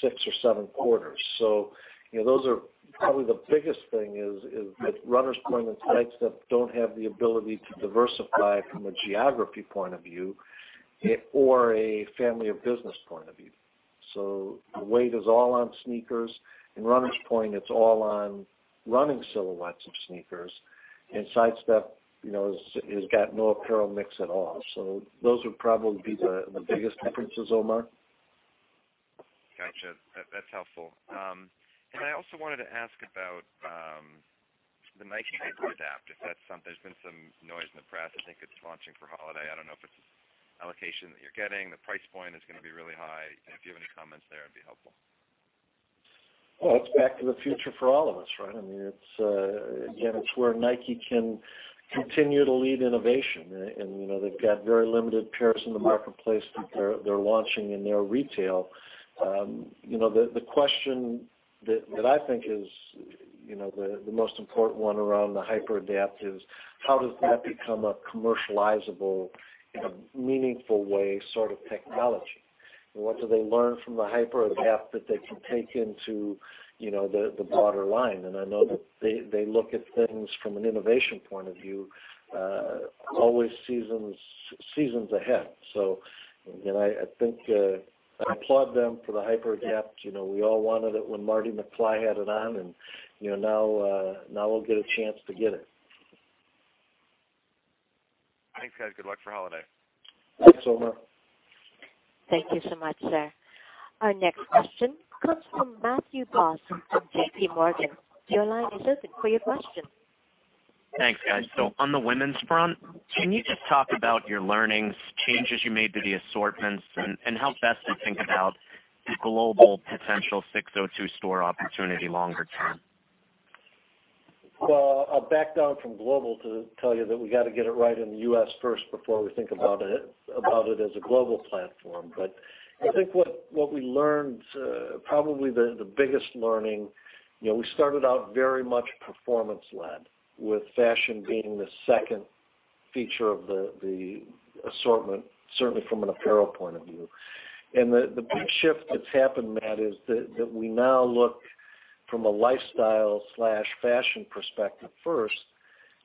six or seven quarters. Probably the biggest thing is that Runners Point and Sidestep don't have the ability to diversify from a geography point of view or a family of business point of view. The weight is all on sneakers. In Runners Point, it's all on running silhouettes of sneakers. Sidestep has got no apparel mix at all. Those would probably be the biggest differences, Omar. Got you. That's helpful. I also wanted to ask about the Nike HyperAdapt. There's been some noise in the press. I think it's launching for holiday. I don't know if it's allocation that you're getting. The price point is going to be really high. If you have any comments there, it'd be helpful. Well, it's back to the future for all of us. It's where Nike can continue to lead innovation, and they've got very limited pairs in the marketplace that they're launching in their retail. The question that I think is the most important one around the HyperAdapt is how does that become a commercializable, in a meaningful way, sort of technology? What do they learn from the HyperAdapt that they can take into the broader line? I know that they look at things from an innovation point of view always seasons ahead. I think I applaud them for the HyperAdapt. We all wanted it when Marty McFly had it on, and now we'll get a chance to get it. Thanks, guys. Good luck for holiday. Thanks, Omar. Thank you so much, sir. Our next question comes from Matthew Boss from J.P. Morgan. Your line is open for your question. Thanks, guys. On the women's front, can you just talk about your learnings, changes you made to the assortments, and how best to think about the global potential SIX:02 store opportunity longer term? Well, I'll back down from global to tell you that we got to get it right in the U.S. first before we think about it as a global platform. I think what we learned, probably the biggest learning, we started out very much performance led, with fashion being the second feature of the assortment, certainly from an apparel point of view. The big shift that's happened, Matt, is that we now look from a lifestyle/fashion perspective first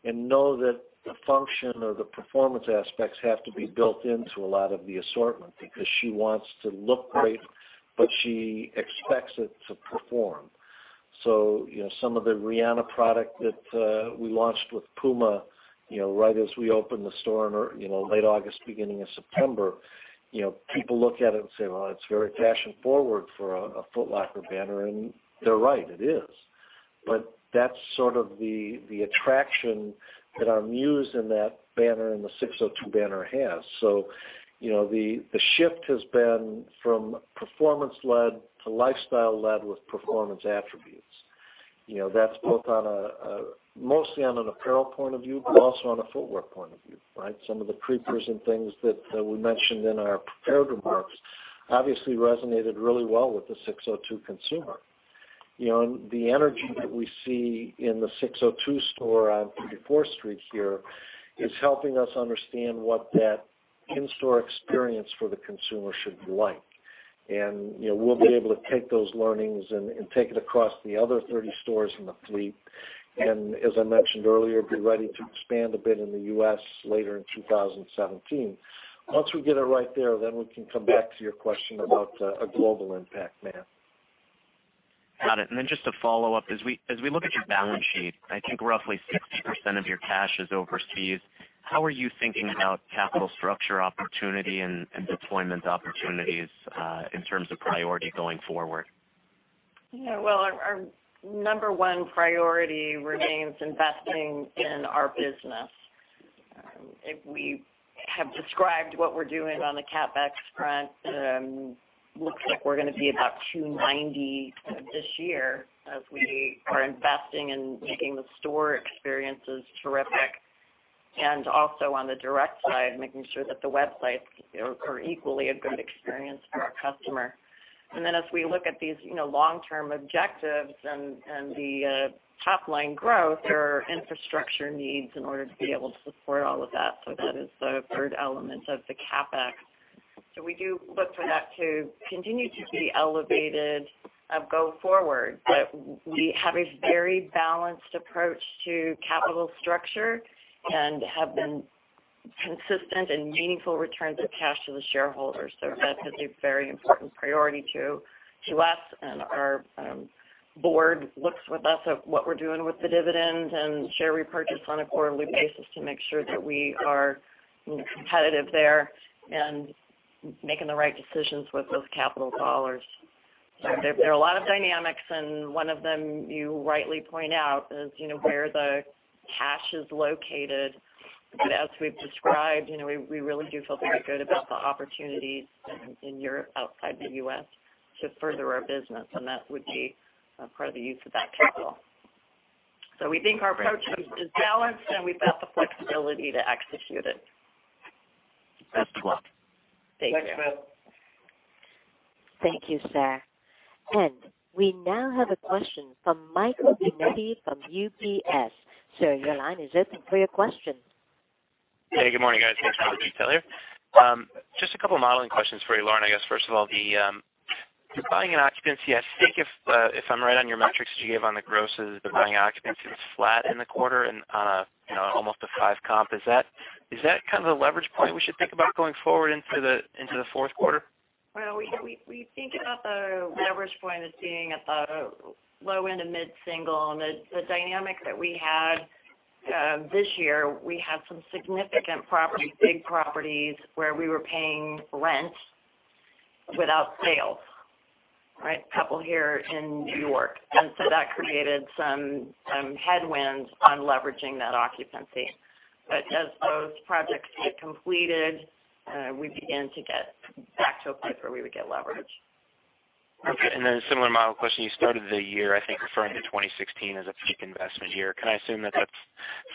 and know that the function or the performance aspects have to be built into a lot of the assortment because she wants to look great, but she expects it to perform. Some of the Rihanna product that we launched with PUMA right as we opened the store in late August, beginning of September. People look at it and say, "Well, it's very fashion forward for a Foot Locker banner." They're right. It is. That's sort of the attraction that our muse in that banner, in the SIX:02 banner has. The shift has been from performance led to lifestyle led with performance attributes. That's mostly on an apparel point of view, but also on a footwear point of view. Some of the Creepers and things that we mentioned in our prepared remarks obviously resonated really well with the SIX:02 consumer. The energy that we see in the SIX:02 store on 34th Street here is helping us understand what that in-store experience for the consumer should be like. We'll be able to take those learnings and take it across the other 30 stores in the fleet. As I mentioned earlier, be ready to expand a bit in the U.S. later in 2017. Once we get it right there, we can come back to your question about a global impact, Matt. Got it. Just a follow-up. As we look at your balance sheet, I think roughly 60% of your cash is overseas. How are you thinking about capital structure opportunity and deployment opportunities in terms of priority going forward? Our number one priority remains investing in our business. If we have described what we're doing on the CapEx front looks like we're going to be about $290 this year as we are investing in making the store experiences terrific and also on the direct side, making sure that the websites are equally a good experience for our customer. As we look at these long-term objectives and the top-line growth, there are infrastructure needs in order to be able to support all of that. That is the third element of the CapEx. We do look for that to continue to be elevated go forward. We have a very balanced approach to capital structure and have been consistent in meaningful returns of cash to the shareholders. That is a very important priority to us, and our board looks with us at what we're doing with the dividend and share repurchase on a quarterly basis to make sure that we are competitive there and making the right decisions with those capital dollars. There are a lot of dynamics and one of them, you rightly point out, is where the cash is located. As we've described, we really do feel very good about the opportunities in Europe, outside the U.S., to further our business. That would be part of the use of that capital. We think our approach is balanced, and we've got the flexibility to execute it. That's helpful. Thank you. Thanks, Matt. Thank you, sir. We now have a question from Michael Binetti from UBS. Sir, your line is open for your question. Hey, good morning, guys. Mike Binetti here. Just a couple of modeling questions for you, Lauren. I guess first of all, the buying and occupancy, I think if I'm right on your metrics that you gave on the grosses, the buying occupancy was flat in the quarter and on a, almost a five comp. Is that kind of the leverage point we should think about going forward into the fourth quarter? We think about the leverage point as being at the low end of mid-single, and the dynamic that we had this year, we had some significant property, big properties where we were paying rent without sales, right? A couple here in New York. That created some headwinds on leveraging that occupancy. As those projects get completed, we begin to get back to a point where we would get leverage. Okay. A similar model question. You started the year, I think, referring to 2016 as a peak investment year. Can I assume that that's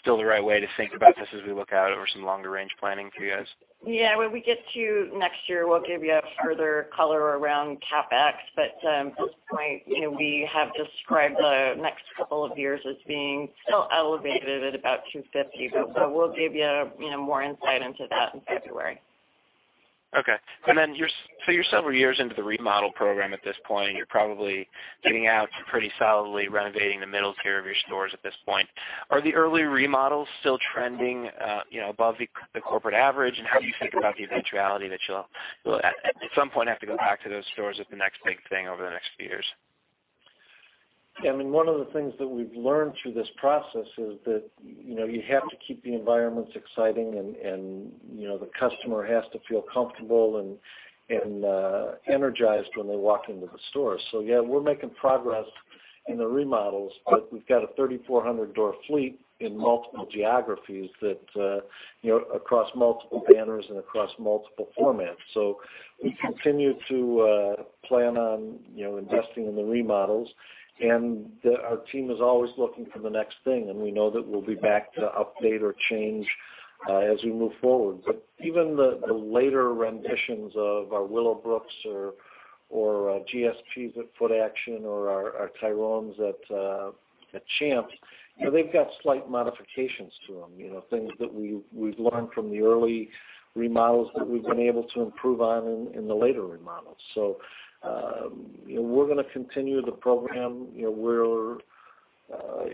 still the right way to think about this as we look out over some longer range planning for you guys? When we get to next year, we'll give you further color around CapEx. At this point, we have described the next couple of years as being still elevated at about $250. We'll give you more insight into that in February. Okay. You're several years into the remodel program at this point. You're probably getting out pretty solidly renovating the middle tier of your stores at this point. Are the early remodels still trending above the corporate average? How do you think about the eventuality that you'll at some point have to go back to those stores as the next big thing over the next few years? I mean, one of the things that we've learned through this process is that you have to keep the environments exciting, and the customer has to feel comfortable and energized when they walk into the store. Yeah, we're making progress in the remodels, but we've got a 3,400 door fleet in multiple geographies that, across multiple banners and across multiple formats. We continue to plan on investing in the remodels. Our team is always looking for the next thing, and we know that we'll be back to update or change as we move forward. Even the later renditions of our Willowbrook or our GSPs at Footaction or our Tyrones at Champs, they've got slight modifications to them. Things that we've learned from the early remodels that we've been able to improve on in the later remodels. We're going to continue the program. We're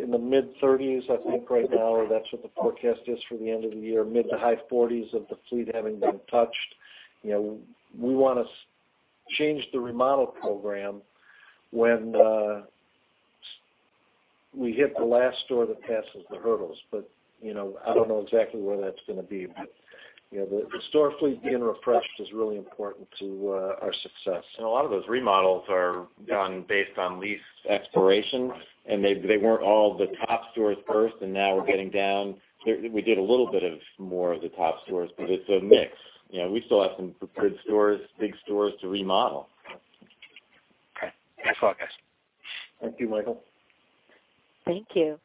in the mid-30s, I think, right now. That's what the forecast is for the end of the year, mid to high 40s of the fleet having been touched. We want to change the remodel program when we hit the last store that passes the hurdles. I don't know exactly when that's going to be. The store fleet being refreshed is really important to our success. A lot of those remodels are done based on lease expiration. Right. They weren't all the top stores first, and now we're getting down. We did a little bit of more of the top stores, it's a mix. We still have some good stores, big stores to remodel. Okay. Thanks for the forecast. Thank you, Michael. Thank you.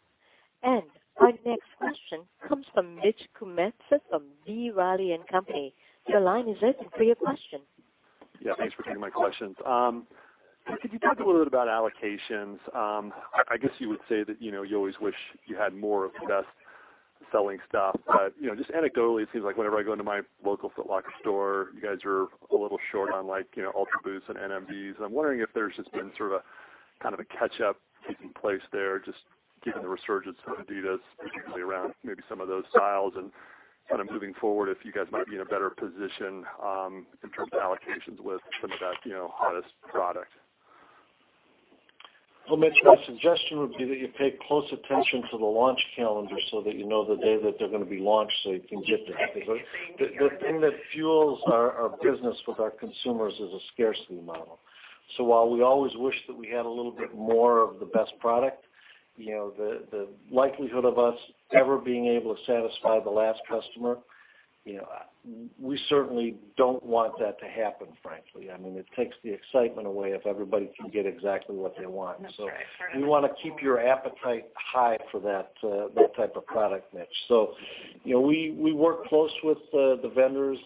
Our next question comes from Mitch Kummetz from B. Riley & Co.. Your line is open for your question. Yeah, thanks for taking my questions. Could you talk a little bit about allocations? I guess you would say that you always wish you had more of the best-selling stuff. Just anecdotally, it seems like whenever I go into my local Foot Locker store, you guys are a little short on Ultraboost and NMDs. I'm wondering if there's just been sort of a catch-up taking place there, just given the resurgence of adidas, particularly around maybe some of those styles and sort of moving forward, if you guys might be in a better position in terms of allocations with some of that hottest product. Well, Mitch, my suggestion would be that you pay close attention to the launch calendar that you know the day that they're going to be launched so you can get there. The thing that fuels our business with our consumers is a scarcity model. While we always wish that we had a little bit more of the best product, the likelihood of us ever being able to satisfy the last customer, we certainly don't want that to happen, frankly. I mean, it takes the excitement away if everybody can get exactly what they want. We want to keep your appetite high for that type of product mix. We work close with the vendors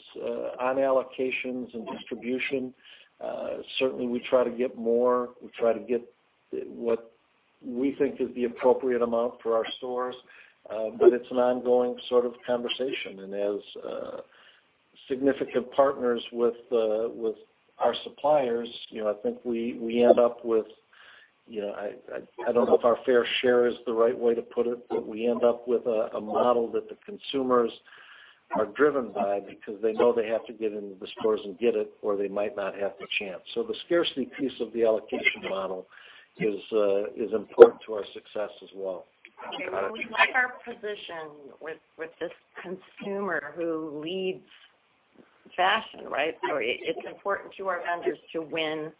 on allocations and distribution. Certainly, we try to get more. We try to get what we think is the appropriate amount for our stores. It's an ongoing sort of conversation. As significant partners with our suppliers, I think we end up with I don't know if our fair share is the right way to put it, but we end up with a model that the consumers are driven by because they know they have to get into the stores and get it, or they might not have the chance. The scarcity piece of the allocation model is important to our success as well. Okay. Well, we like our position with this consumer who leads fashion, right? It's important to our vendors to win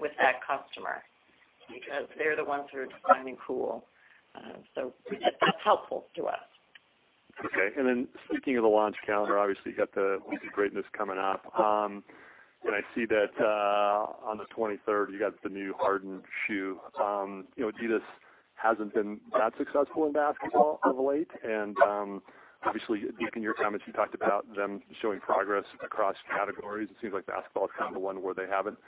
with that customer because they're the ones who are defining cool. That's helpful to us. Okay. Speaking of the launch calendar, obviously, you got the Week of Greatness coming up. I see that on the 23rd, you got the new Harden shoe. adidas hasn't been that successful in basketball of late, obviously, deep in your comments, you talked about them showing progress across categories. It seems like basketball is the one where they haven't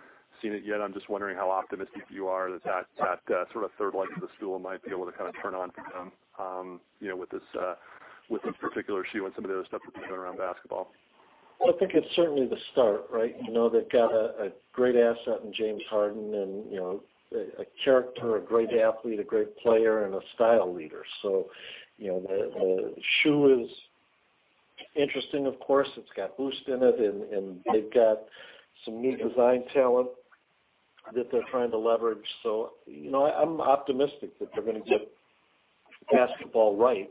seen it yet. I'm just wondering how optimistic you are that that sort of third leg of the stool might be able to kind of turn on for them with this particular shoe and some of the other stuff that they're doing around basketball. Well, I think it's certainly the start, right? They've got a great asset in James Harden, and a character, a great athlete, a great player, and a style leader. The shoe is interesting, of course. It's got Boost in it, and they've got some new design talent that they're trying to leverage. I'm optimistic that they're going to get basketball right.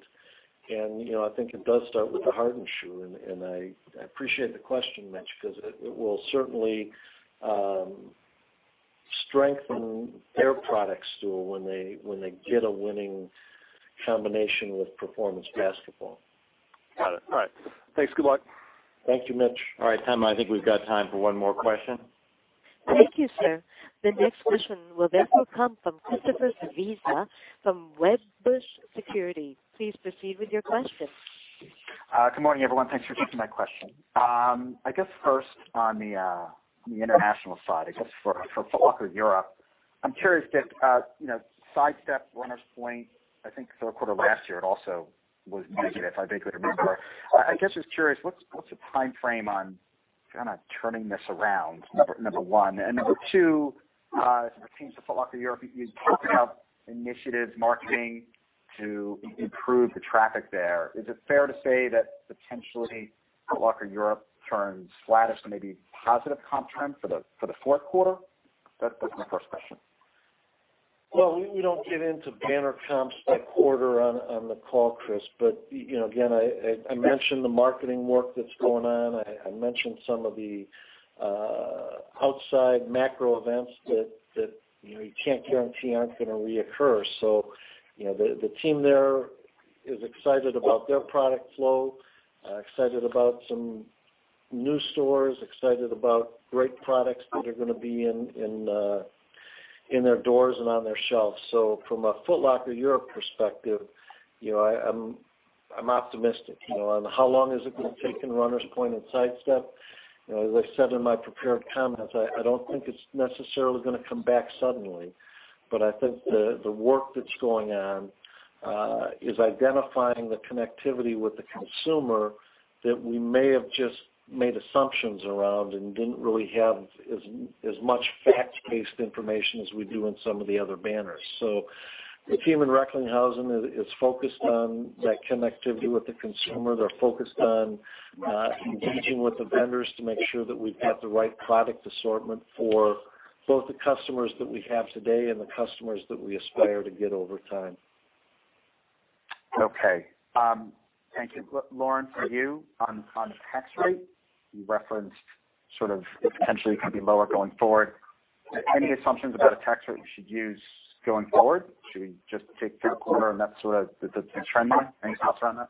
I think it does start with the Harden shoe, and I appreciate the question, Mitch, because it will certainly strengthen their product stool when they get a winning combination with performance basketball. Got it. All right. Thanks. Good luck. Thank you, Mitch. All right, Emma, I think we've got time for one more question. Thank you, sir. The next question will therefore come from Christopher Svezia from Wedbush Securities. Please proceed with your question. Good morning, everyone. Thanks for taking my question. I guess first on the international side, I guess for Foot Locker Europe, I'm curious that Sidestep, Runners Point, I think third quarter last year, it also was negative, if I vaguely remember. I guess just curious, what's the timeframe on kind of turning this around, number one? Number two, it seems that Foot Locker Europe, you've spoken of initiatives, marketing to improve the traffic there. Is it fair to say that potentially Foot Locker Europe turns flattish to maybe positive comp trend for the fourth quarter? That's my first question. Well, we don't get into banner comps by quarter on the call, Chris. Again, I mentioned the marketing work that's going on. I mentioned some of the outside macro events that you can't guarantee aren't going to reoccur. The team there is excited about their product flow, excited about some new stores, excited about great products that are going to be in their doors and on their shelves. From a Foot Locker Europe perspective, I'm optimistic. On how long is it going to take in Runners Point and Sidestep? As I said in my prepared comments, I don't think it's necessarily going to come back suddenly. I think the work that's going on is identifying the connectivity with the consumer that we may have just made assumptions around and didn't really have as much fact-based information as we do in some of the other banners. The team in Recklinghausen is focused on that connectivity with the consumer. They're focused on engaging with the vendors to make sure that we've got the right product assortment for both the customers that we have today and the customers that we aspire to get over time. Okay. Thank you. Lauren, for you, on tax rate, you referenced sort of it potentially could be lower going forward. Any assumptions about a tax rate we should use going forward? Should we just take third quarter, and that's sort of the trend line? Any thoughts around that?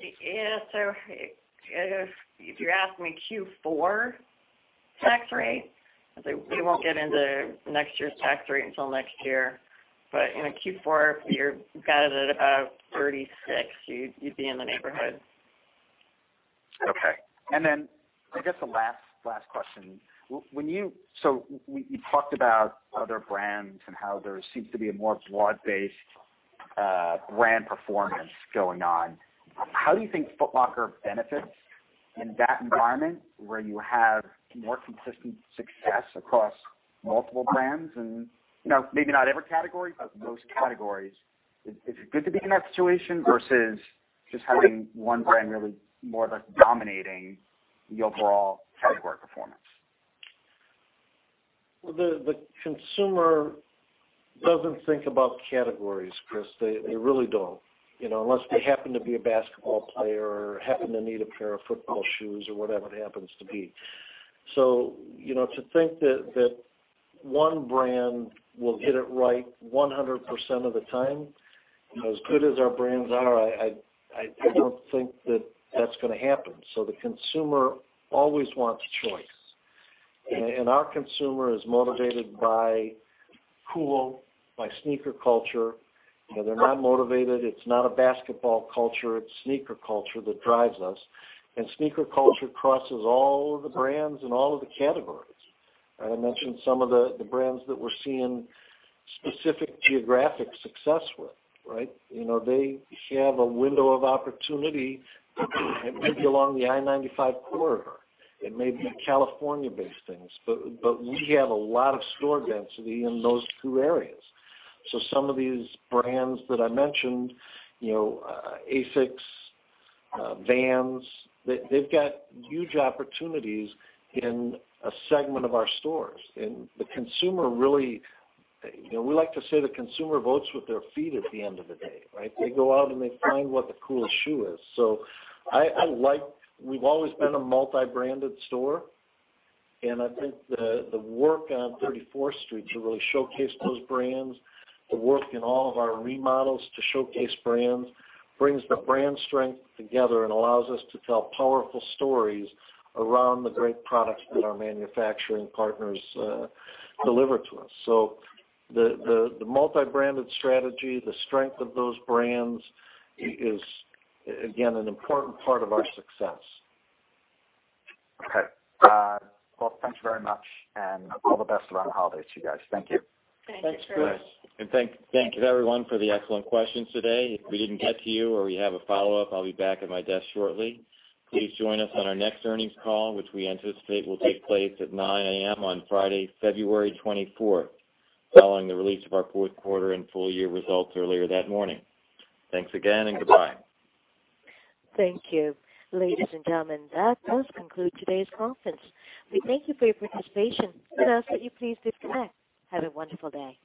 Yeah. If you're asking me Q4 tax rate, I'd say we won't get into next year's tax rate until next year. In a Q4, you've got it at about 36, you'd be in the neighborhood. Okay. I guess the last question. We talked about other brands and how there seems to be a more broad-based brand performance going on. How do you think Foot Locker benefits in that environment where you have more consistent success across multiple brands and maybe not every category, but most categories? Is it good to be in that situation versus just having one brand really more of like dominating the overall hard core performance? Well, the consumer doesn't think about categories, Chris. They really don't. Unless they happen to be a basketball player or happen to need a pair of football shoes or whatever it happens to be. To think that one brand will get it right 100% of the time, as good as our brands are, I don't think that that's going to happen. The consumer always wants choice, and our consumer is motivated by cool, by sneaker culture. They're not motivated. It's not a basketball culture. It's sneaker culture that drives us. Sneaker culture crosses all of the brands and all of the categories. I mentioned some of the brands that we're seeing specific geographic success with. They have a window of opportunity. It may be along the I-95 corridor. It may be California-based things. We have a lot of store density in those two areas. Some of these brands that I mentioned, ASICS, Vans, they've got huge opportunities in a segment of our stores. The consumer, we like to say the consumer votes with their feet at the end of the day, right? They go out and they find what the cool shoe is. We've always been a multi-branded store, and I think the work on 34th Street to really showcase those brands, the work in all of our remodels to showcase brands, brings the brand strength together and allows us to tell powerful stories around the great products that our manufacturing partners deliver to us. The multi-branded strategy, the strength of those brands is, again, an important part of our success. Okay. Well, thanks very much. All the best around the holidays to you guys. Thank you. Thank you, Chris. Thanks. Thank you to everyone for the excellent questions today. If we didn't get to you or you have a follow-up, I'll be back at my desk shortly. Please join us on our next earnings call, which we anticipate will take place at 9:00 A.M. on Friday, February 24th, following the release of our fourth quarter and full-year results earlier that morning. Thanks again, and goodbye. Thank you. Ladies and gentlemen, that does conclude today's conference. We thank you for your participation and ask that you please disconnect. Have a wonderful day.